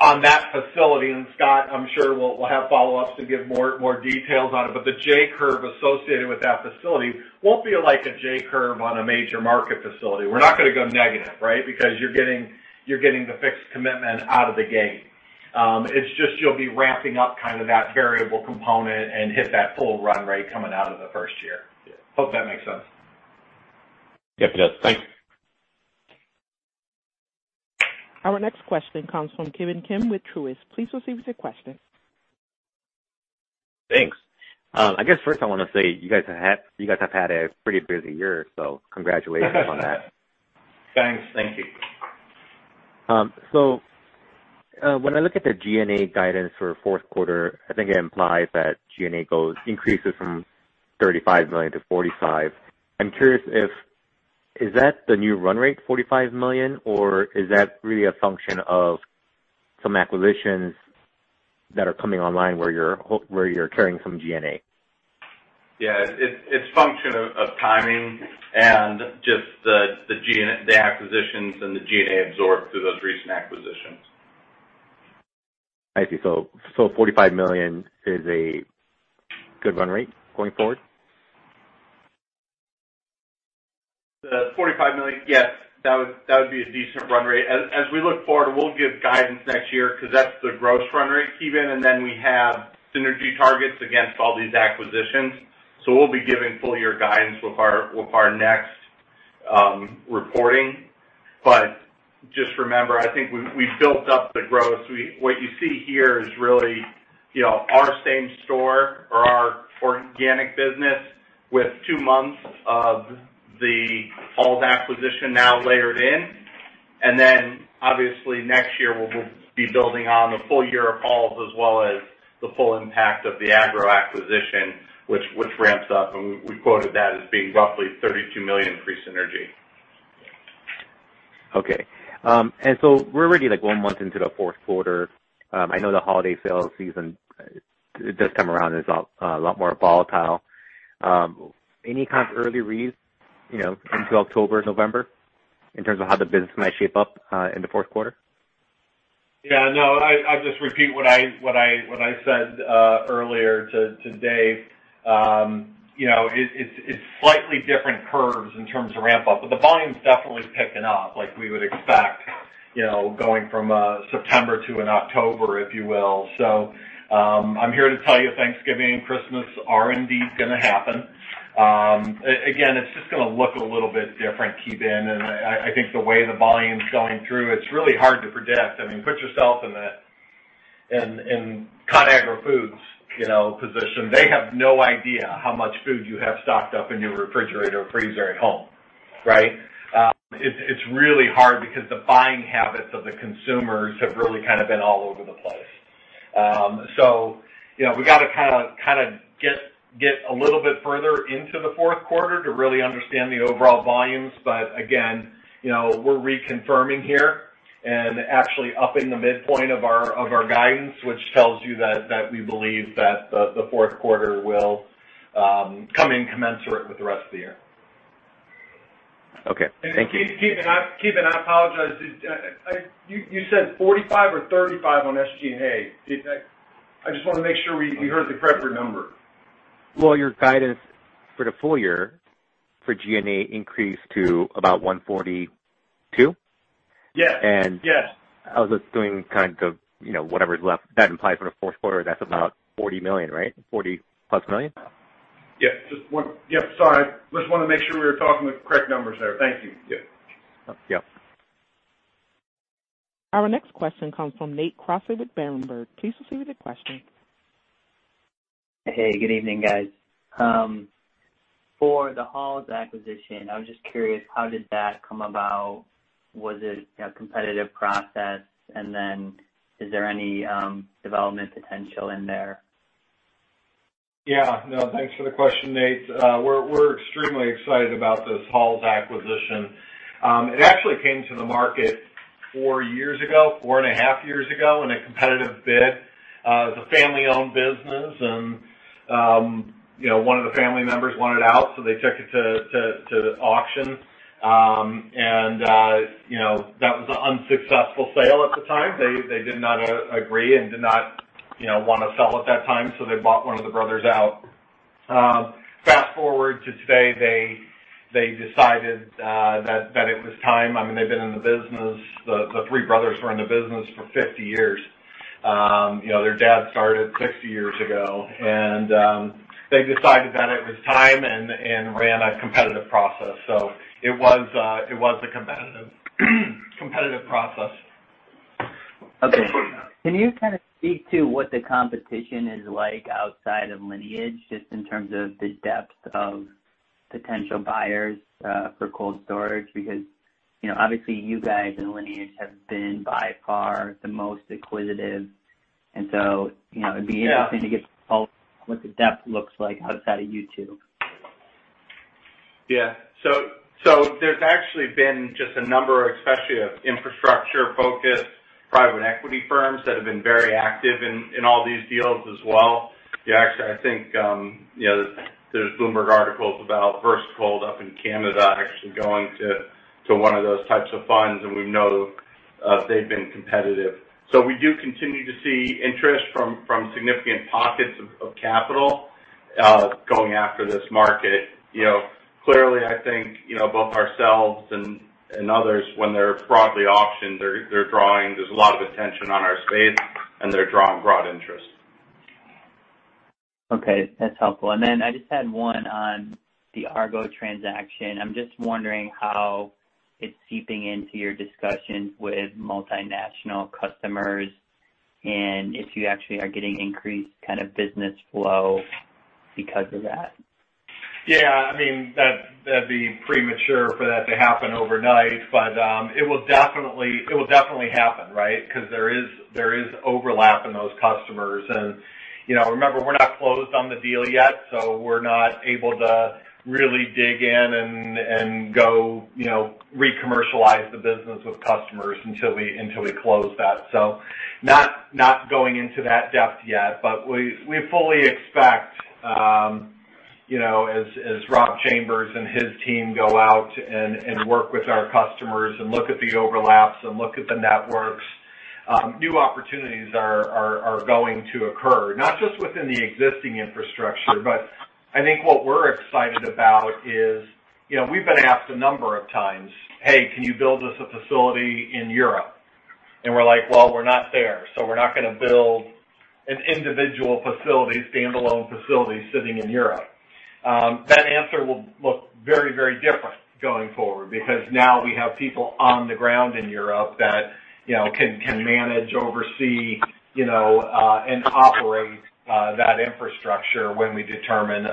C: on that facility, and Scott, I'm sure, will have follow-ups to give more details on it, but the J-curve associated with that facility won't be like a J-curve on a major market facility. We're not going to go negative, right? You're getting the fixed commitment out of the gate. It's just, you'll be ramping up kind of that variable component and hit that full run rate coming out of the first year.
F: Yeah.
C: Hope that makes sense.
F: Yep, it does. Thank you.
A: Our next question comes from Ki Bin Kim with Truist. Please proceed with your question.
G: Thanks. I guess first I want to say, you guys have had a pretty busy year, so congratulations on that.
C: Thanks.
D: Thank you.
G: When I look at the G&A guidance for fourth quarter, I think it implies that G&A increases from $35 million to $45 million. I'm curious if, is that the new run rate, $45 million, or is that really a function of some acquisitions that are coming online where you're carrying some G&A?
C: Yeah. It is a function of timing and just the acquisitions and the G&A absorbed through those recent acquisitions.
G: I see. $45 million is a good run rate going forward?
D: The $45 million, yes, that would be a decent run rate. As we look forward, we'll give guidance next year because that's the gross run rate, Ki Bin, and then we have synergy targets against all these acquisitions. We'll be giving full year guidance with our next reporting. Just remember, I think we've built up the gross. What you see here is really our same-store or our organic business with two months of the Halls acquisition now layered in, and then obviously next year, we'll be building on the full year of Halls as well as the full impact of the Agro acquisition, which ramps up, and we quoted that as being roughly $32 million pre-synergy.
G: Okay. We're already one month into the fourth quarter. I know the holiday sale season does come around, and it's a lot more volatile. Any kind of early reads into October, November, in terms of how the business might shape up in the fourth quarter?
C: Yeah, no, I'll just repeat what I said earlier today. It's slightly different curves in terms of ramp up, but the volume's definitely picking up like we would expect going from September to an October, if you will. I'm here to tell you Thanksgiving and Christmas are indeed going to happen. Again, it's just going to look a little bit different, Ki Bin, and I think the way the volume's going through, it's really hard to predict. Put yourself in Conagra Foods' position. They have no idea how much food you have stocked up in your refrigerator or freezer at home, right? It's really hard because the buying habits of the consumers have really been all over the place. We got to get a little bit further into the fourth quarter to really understand the overall volumes. Again, we're reconfirming here and actually upping the midpoint of our guidance, which tells you that we believe that the fourth quarter will come in commensurate with the rest of the year.
G: Okay. Thank you.
D: Ki Bin, I apologize. You said $45 million or $35 million on SG&A? I just want to make sure we heard the correct number.
G: Well, your guidance for the full year for G&A increased to about $142 million?
D: Yes.
G: I was just doing whatever's left. That implies for the fourth quarter, that's about $40 million, right? $40+ million?
D: Yeah. Sorry. Just wanted to make sure we were talking the correct numbers there. Thank you. Yeah.
G: Yep.
A: Our next question comes from Nate Crosset with Berenberg. Please proceed with your question.
H: Hey, good evening, guys. For the Halls acquisition, I was just curious, how did that come about? Was it a competitive process? Is there any development potential in there?
C: No, thanks for the question, Nate. We're extremely excited about this Halls acquisition. It actually came to the market four years ago, four and a half years ago in a competitive bid. It was a family-owned business, and one of the family members wanted out, so they took it to the auction. That was an unsuccessful sale at the time. They did not agree and did not want to sell at that time, so they bought one of the brothers out. Fast-forward to today, they decided that it was time. The three brothers were in the business for 50 years. Their dad started 60 years ago, and they decided that it was time and ran a competitive process. It was a competitive process.
H: Okay. Can you kind of speak to what the competition is like outside of Lineage, just in terms of the depth of potential buyers for cold storage? Obviously you guys and Lineage have been by far the most acquisitive, it'd be interesting to get what the depth looks like outside of you two.
C: Yeah. There's actually been just a number, especially of infrastructure-focused private equity firms that have been very active in all these deals as well. I think there's Bloomberg articles about VersaCold up in Canada actually going to one of those types of funds, and we know they've been competitive. We do continue to see interest from significant pockets of capital going after this market. Clearly, I think both ourselves and others, when they're broadly auctioned, there's a lot of attention on our space, and they're drawing broad interest.
H: Okay, that's helpful. I just had one on the Agro transaction. I'm just wondering how it's seeping into your discussions with multinational customers and if you actually are getting increased business flow because of that.
C: Yeah, that'd be premature for that to happen overnight. It will definitely happen, right? There is overlap in those customers. Remember, we're not closed on the deal yet, so we're not able to really dig in and go re-commercialize the business with customers until we close that. Not going into that depth yet, but we fully expect as Robert Chambers and his team go out and work with our customers and look at the overlaps and look at the networks, new opportunities are going to occur, not just within the existing infrastructure. I think what we're excited about is we've been asked a number of times, "Hey, can you build us a facility in Europe?" We're like, "Well, we're not there, so we're not going to build an individual facility, standalone facility sitting in Europe." That answer will look very different going forward because now we have people on the ground in Europe that can manage, oversee, and operate that infrastructure when we determine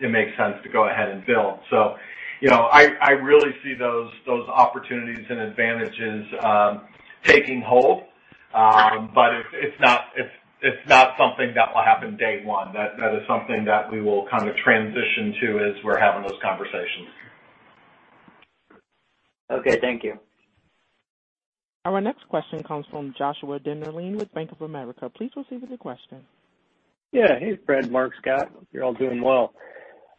C: it makes sense to go ahead and build. I really see those opportunities and advantages taking hold. It's not something that will happen day one. That is something that we will kind of transition to as we're having those conversations. Okay, thank you.
A: Our next question comes from Joshua Dennerlein with Bank of America. Please proceed with your question.
I: Yeah. Hey, Fred, Marc, Scott. Hope you're all doing well.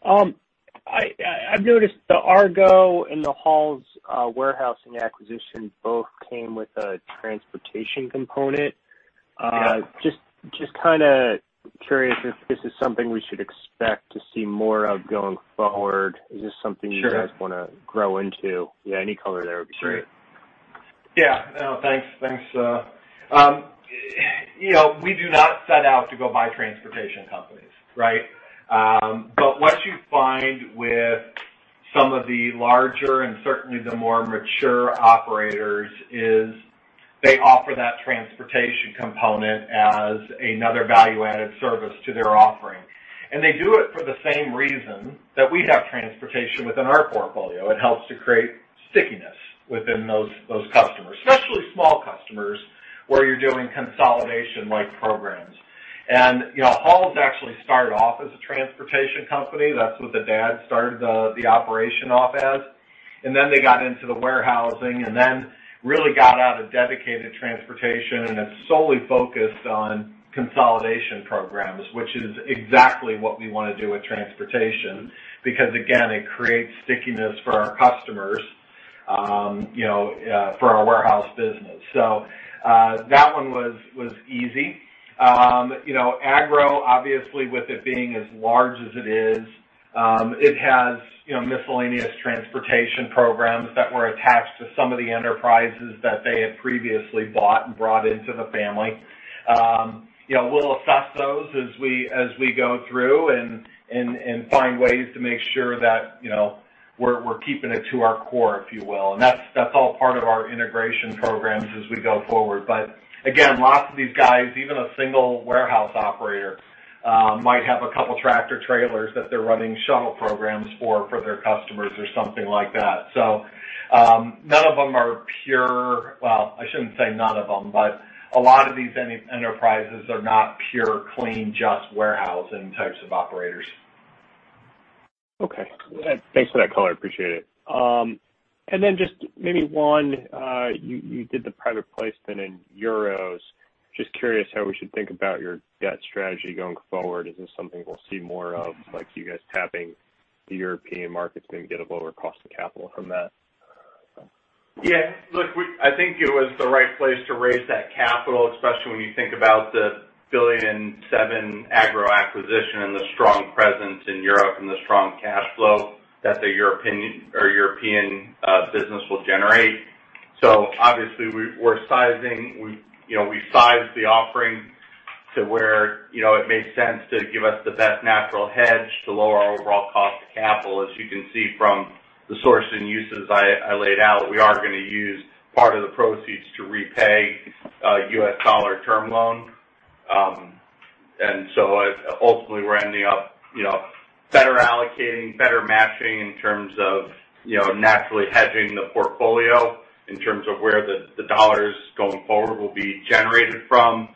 I: I've noticed the Agro and the Halls warehousing acquisition both came with a transportation component.
C: Yeah.
I: Just kind of curious if this is something we should expect to see more of going forward?
C: Sure
I: Is this something you guys want to grow into? Yeah, any color there would be great.
C: Sure. Yeah. No, thanks. We do not set out to go buy transportation companies, right? What you find with some of the larger and certainly the more mature operators is they offer that transportation component as another value-added service to their offering. They do it for the same reason that we have transportation within our portfolio. It helps to create stickiness within those customers, especially small customers, where you're doing consolidation-like programs. Halls actually started off as a transportation company. That's what the dad started the operation off as, and then they got into the warehousing and then really got out of dedicated transportation and has solely focused on consolidation programs, which is exactly what we want to do with transportation because, again, it creates stickiness for our customers, for our warehouse business. That one was easy. Agro, obviously, with it being as large as it is, it has miscellaneous transportation programs that were attached to some of the enterprises that they had previously bought and brought into the family. We'll assess those as we go through and find ways to make sure that we're keeping it to our core, if you will. That's all part of our integration programs as we go forward. Again, lots of these guys, even a single warehouse operator, might have a couple tractor-trailers that they're running shuttle programs for their customers or something like that. None of them are pure Well, I shouldn't say none of them, but a lot of these enterprises are not pure, clean, just warehousing types of operators.
I: Okay. Thanks for that color. I appreciate it. Just maybe one, you did the private placement in euros. Just curious how we should think about your debt strategy going forward? Is this something we'll see more of, like you guys tapping the European markets and get a lower cost of capital from that?
D: Yeah, look, I think it was the right place to raise that capital, especially when you think about the $1.7 billion Agro acquisition and the strong presence in Europe and the strong cash flow that the European business will generate. Obviously, we sized the offering to where it made sense to give us the best natural hedge to lower our overall cost of capital. As you can see from the source and uses I laid out, we are gonna use part of the proceeds to repay a US dollar term loan. Ultimately, we're ending up better allocating, better matching in terms of naturally hedging the portfolio in terms of where the dollars going forward will be generated from,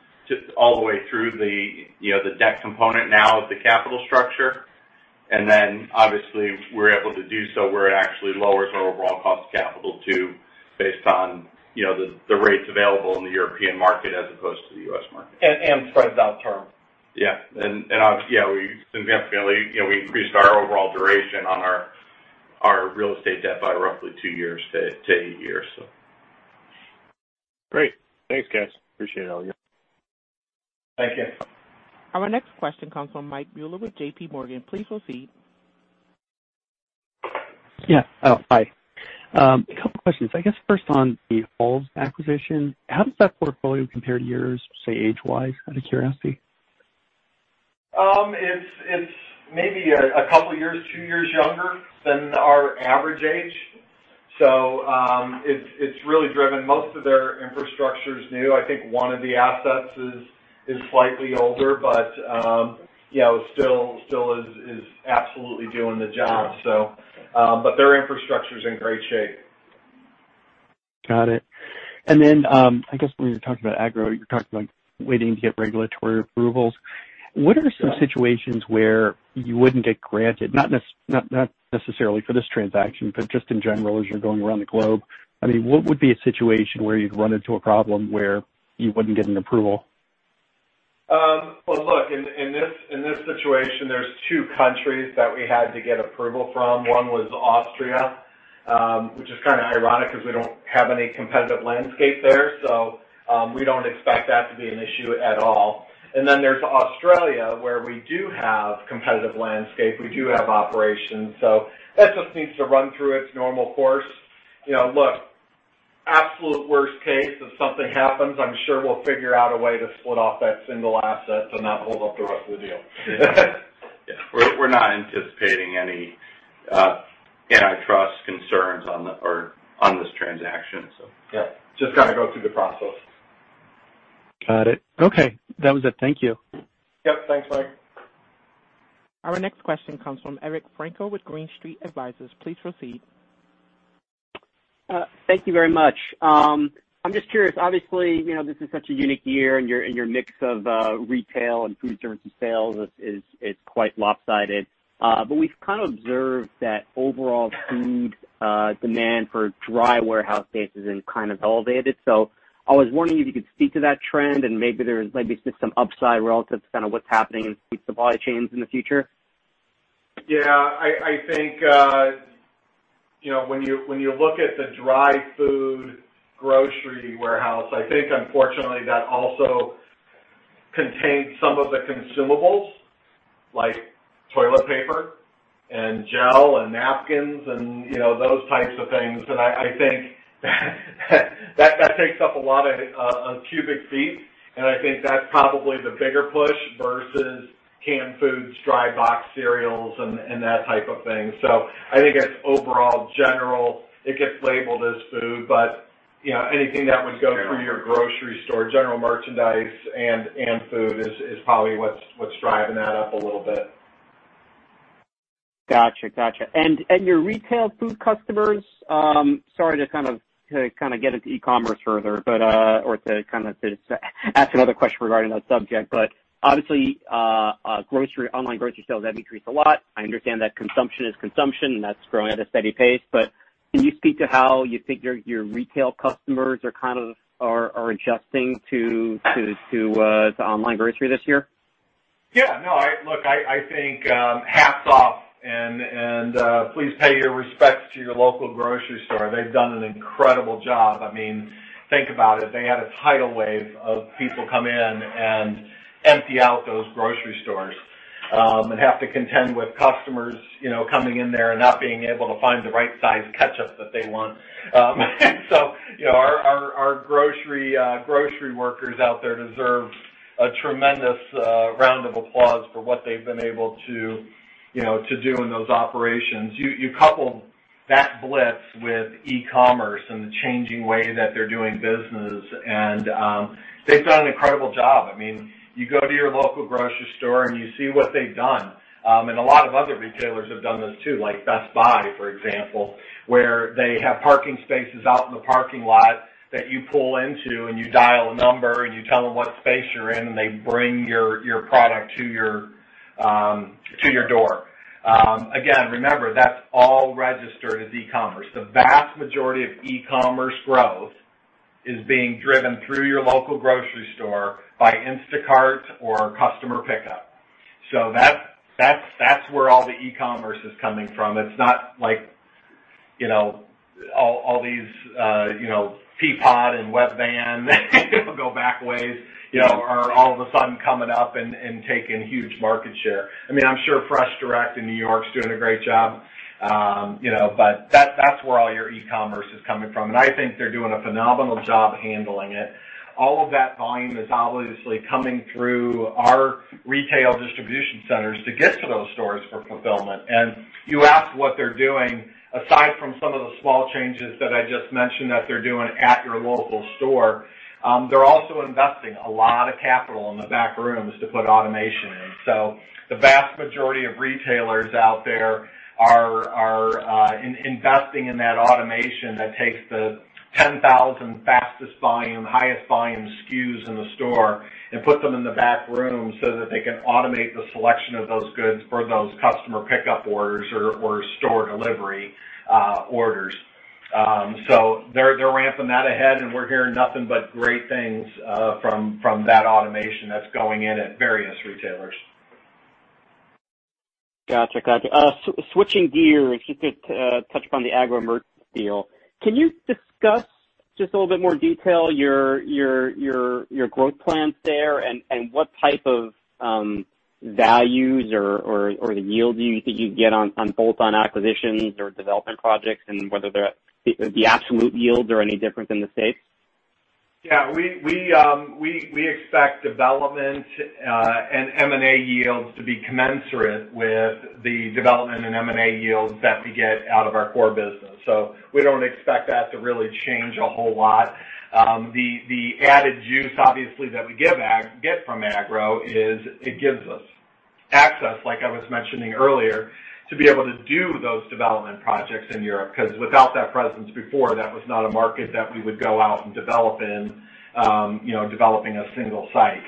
D: all the way through the debt component now of the capital structure. Obviously, we're able to do so where it actually lowers our overall cost of capital too, based on the rates available in the European market as opposed to the U.S. market.
C: And spreads us out term.
D: Yeah. Obviously, we increased our overall duration on our real estate debt by roughly two years to eight years.
I: Great. Thanks, guys. Appreciate all of you.
D: Thank you.
A: Our next question comes from Mike Mueller with JPMorgan. Please proceed.
J: Yeah. Oh, hi. A couple questions. I guess first on the Halls acquisition, how does that portfolio compare to yours, say, age-wise, out of curiosity?
C: It's maybe a couple years, two years younger than our average age. It's really driven. Most of their infrastructure's new. I think one of the assets is slightly older, but still is absolutely doing the job. Their infrastructure's in great shape.
J: Got it. I guess when you're talking about Agro, you're talking about waiting to get regulatory approvals.
C: Yeah.
J: What are some situations where you wouldn't get granted, not necessarily for this transaction, but just in general as you're going around the globe? What would be a situation where you'd run into a problem where you wouldn't get an approval?
C: Look, in this situation, there's two countries that we had to get approval from. One was Austria, which is kind of ironic because we don't have any competitive landscape there, we don't expect that to be an issue at all. There's Australia, where we do have competitive landscape. We do have operations. That just needs to run through its normal course. Look, absolute worst case, if something happens, I'm sure we'll figure out a way to split off that single asset to not hold up the rest of the deal. Yeah. We're not anticipating any antitrust concerns on this transaction. Yeah. Just got to go through the process.
J: Got it. Okay. That was it. Thank you.
C: Yep. Thanks, Mike.
A: Our next question comes from Eric Frankel with Green Street Advisors. Please proceed.
K: Thank you very much. I'm just curious, obviously, this is such a unique year in your mix of retail and food service and sales is quite lopsided. We've kind of observed that overall food demand for dry warehouse space has been kind of elevated. I was wondering if you could speak to that trend, and maybe there's just some upside relative to kind of what's happening in food supply chains in the future.
C: Yeah, I think when you look at the dry food grocery warehouse, I think unfortunately, that also contains some of the consumables, like toilet paper and gel and napkins and those types of things. I think that takes up a lot of cubic feet, and I think that's probably the bigger push versus canned foods, dry box cereals, and that type of thing. I think it's overall general. It gets labeled as food, but anything that would go through your grocery store, general merchandise and food is probably what's driving that up a little bit.
K: Got you. Your retail food customers, or to kind of just ask another question regarding that subject, but obviously, e-commerce online grocery sales have increased a lot. I understand that consumption is consumption, and that's growing at a steady pace. Can you speak to how you think your retail customers are kind of adjusting to online grocery this year?
C: Yeah, no. Look, I think hats off and please pay your respects to your local grocery store. They've done an incredible job. Think about it. They had a tidal wave of people come in and empty out those grocery stores, and have to contend with customers coming in there and not being able to find the right size ketchup that they want. Our grocery workers out there deserve a tremendous round of applause for what they've been able to do in those operations. You couple that blitz with e-commerce and the changing way that they're doing business, and they've done an incredible job. You go to your local grocery store, and you see what they've done. A lot of other retailers have done this, too, like Best Buy, for example, where they have parking spaces out in the parking lot that you pull into, and you dial a number, and you tell them what space you're in, and they bring your product to your door. Again, remember, that's all registered as e-commerce. The vast majority of e-commerce growth is being driven through your local grocery store by Instacart or customer pickup. That's where all the e-commerce is coming from. It's not like all these Peapod and Webvan if we go back ways, are all of a sudden coming up and taking huge market share. I'm sure FreshDirect in New York's doing a great job. That's where all your e-commerce is coming from. I think they're doing a phenomenal job handling it. All of that volume is obviously coming through our retail distribution centers to get to those stores for fulfillment. You ask what they're doing, aside from some of the small changes that I just mentioned that they're doing at your local store, they're also investing a lot of capital in the back rooms to put automation in. The vast majority of retailers out there are investing in that automation that takes the 10,000 fastest volume, highest volume SKUs in the store and put them in the back room so that they can automate the selection of those goods for those customer pickup orders or store delivery orders. They're ramping that ahead, and we're hearing nothing but great things from that automation that's going in at various retailers.
K: Got you. Switching gears, you could touch upon the Agro Merchants deal. Can you discuss just a little bit more detail your growth plans there and what type of values or the yields you think you'd get on both on acquisitions or development projects and whether the absolute yields are any different than the States?
C: We expect development and M&A yields to be commensurate with the development and M&A yields that we get out of our core business. We don't expect that to really change a whole lot. The added juice, obviously, that we get from Agro is it gives us access, like I was mentioning earlier, to be able to do those development projects in Europe, because without that presence before, that was not a market that we would go out and develop in, developing a single site.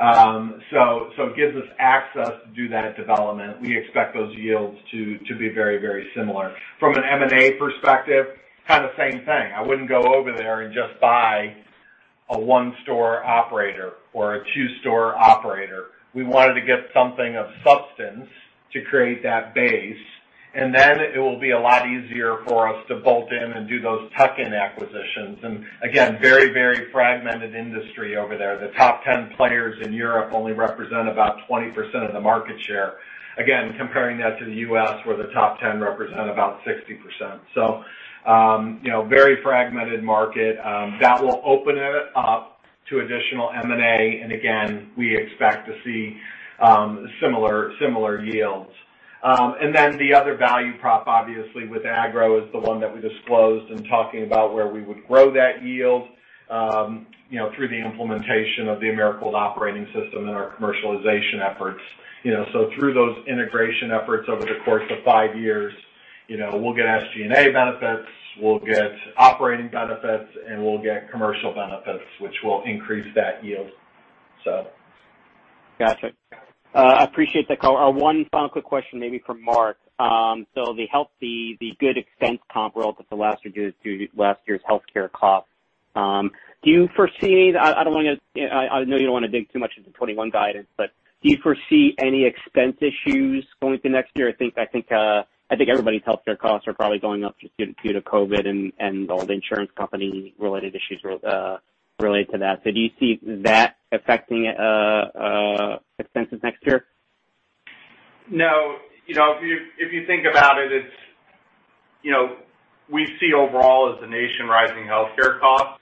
C: It gives us access to do that development. We expect those yields to be very similar. From an M&A perspective, kind of same thing. I wouldn't go over there and just buy a one-store operator or a two-store operator. We wanted to get something of substance to create that base, then it will be a lot easier for us to bolt in and do those tuck-in acquisitions. Again, very fragmented industry over there. The top 10 players in Europe only represent about 20% of the market share. Again, comparing that to the U.S., where the top 10 represent about 60%. Very fragmented market. That will open it up to additional M&A. Again, we expect to see similar yields. Then the other value prop, obviously, with Agro is the one that we disclosed in talking about where we would grow that yield through the implementation of the Americold Operating System and our commercialization efforts. Through those integration efforts over the course of five years, we'll get SG&A benefits, we'll get operating benefits, and we'll get commercial benefits, which will increase that yield.
K: Got you. I appreciate the call. One final quick question, maybe for Marc. The good expense comp relative to last year's healthcare costs. I know you don't want to dig too much into 2021 guidance, do you foresee any expense issues going into next year? I think everybody's healthcare costs are probably going up just due to COVID and all the insurance company-related issues related to that. Do you see that affecting expenses next year?
D: No. If you think about it, we see overall as a nation rising healthcare costs,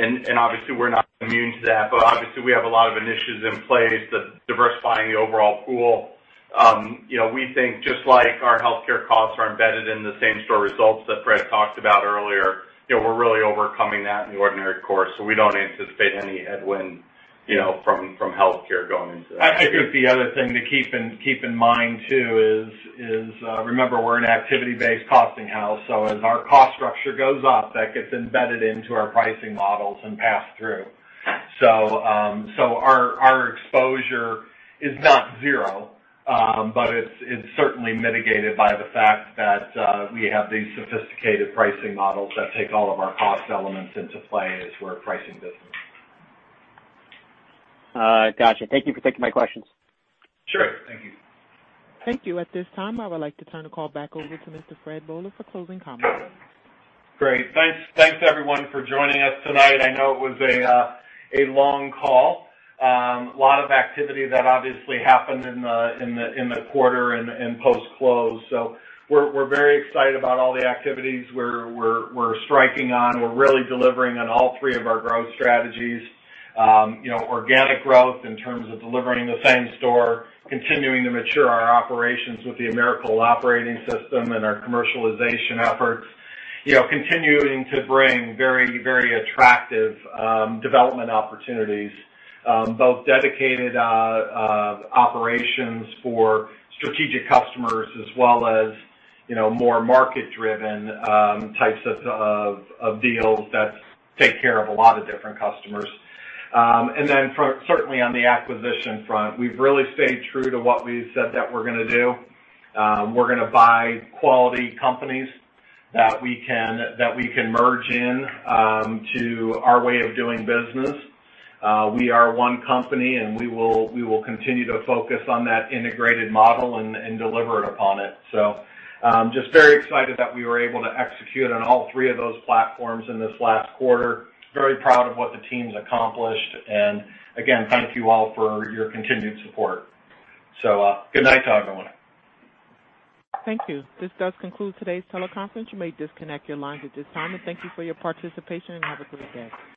D: and obviously, we're not immune to that. Obviously, we have a lot of initiatives in place, diversifying the overall pool. We think just like our healthcare costs are embedded in the same-store results that Fred talked about earlier, we're really overcoming that in the ordinary course. We don't anticipate any headwind from healthcare going into next year. I think the other thing to keep in mind, too, is remember, we're an activity-based costing house, so as our cost structure goes up, that gets embedded into our pricing models and passed through. Our exposure is not zero, but it's certainly mitigated by the fact that we have these sophisticated pricing models that take all of our cost elements into play as we're pricing business.
K: Got you. Thank you for taking my questions.
C: Sure. Thank you.
A: Thank you. At this time, I would like to turn the call back over to Mr. Fred Boehler for closing comments.
C: Great. Thanks, everyone, for joining us tonight. I know it was a long call. A lot of activity that obviously happened in the quarter and post-close. We're very excited about all the activities we're striking on. We're really delivering on all three of our growth strategies. Organic growth in terms of delivering the same store, continuing to mature our operations with the Americold Operating System and our commercialization efforts. Continuing to bring very attractive development opportunities, both dedicated operations for strategic customers as well as more market-driven types of deals that take care of a lot of different customers. Certainly, on the acquisition front, we've really stayed true to what we've said that we're going to do. We're going to buy quality companies that we can merge in to our way of doing business. We are one company, and we will continue to focus on that integrated model and deliver upon it. Just very excited that we were able to execute on all three of those platforms in this last quarter. Very proud of what the team's accomplished. again, thank you all for your continued support. good night to everyone.
A: Thank you. This does conclude today's teleconference. You may disconnect your lines at this time. Thank you for your participation and have a great day.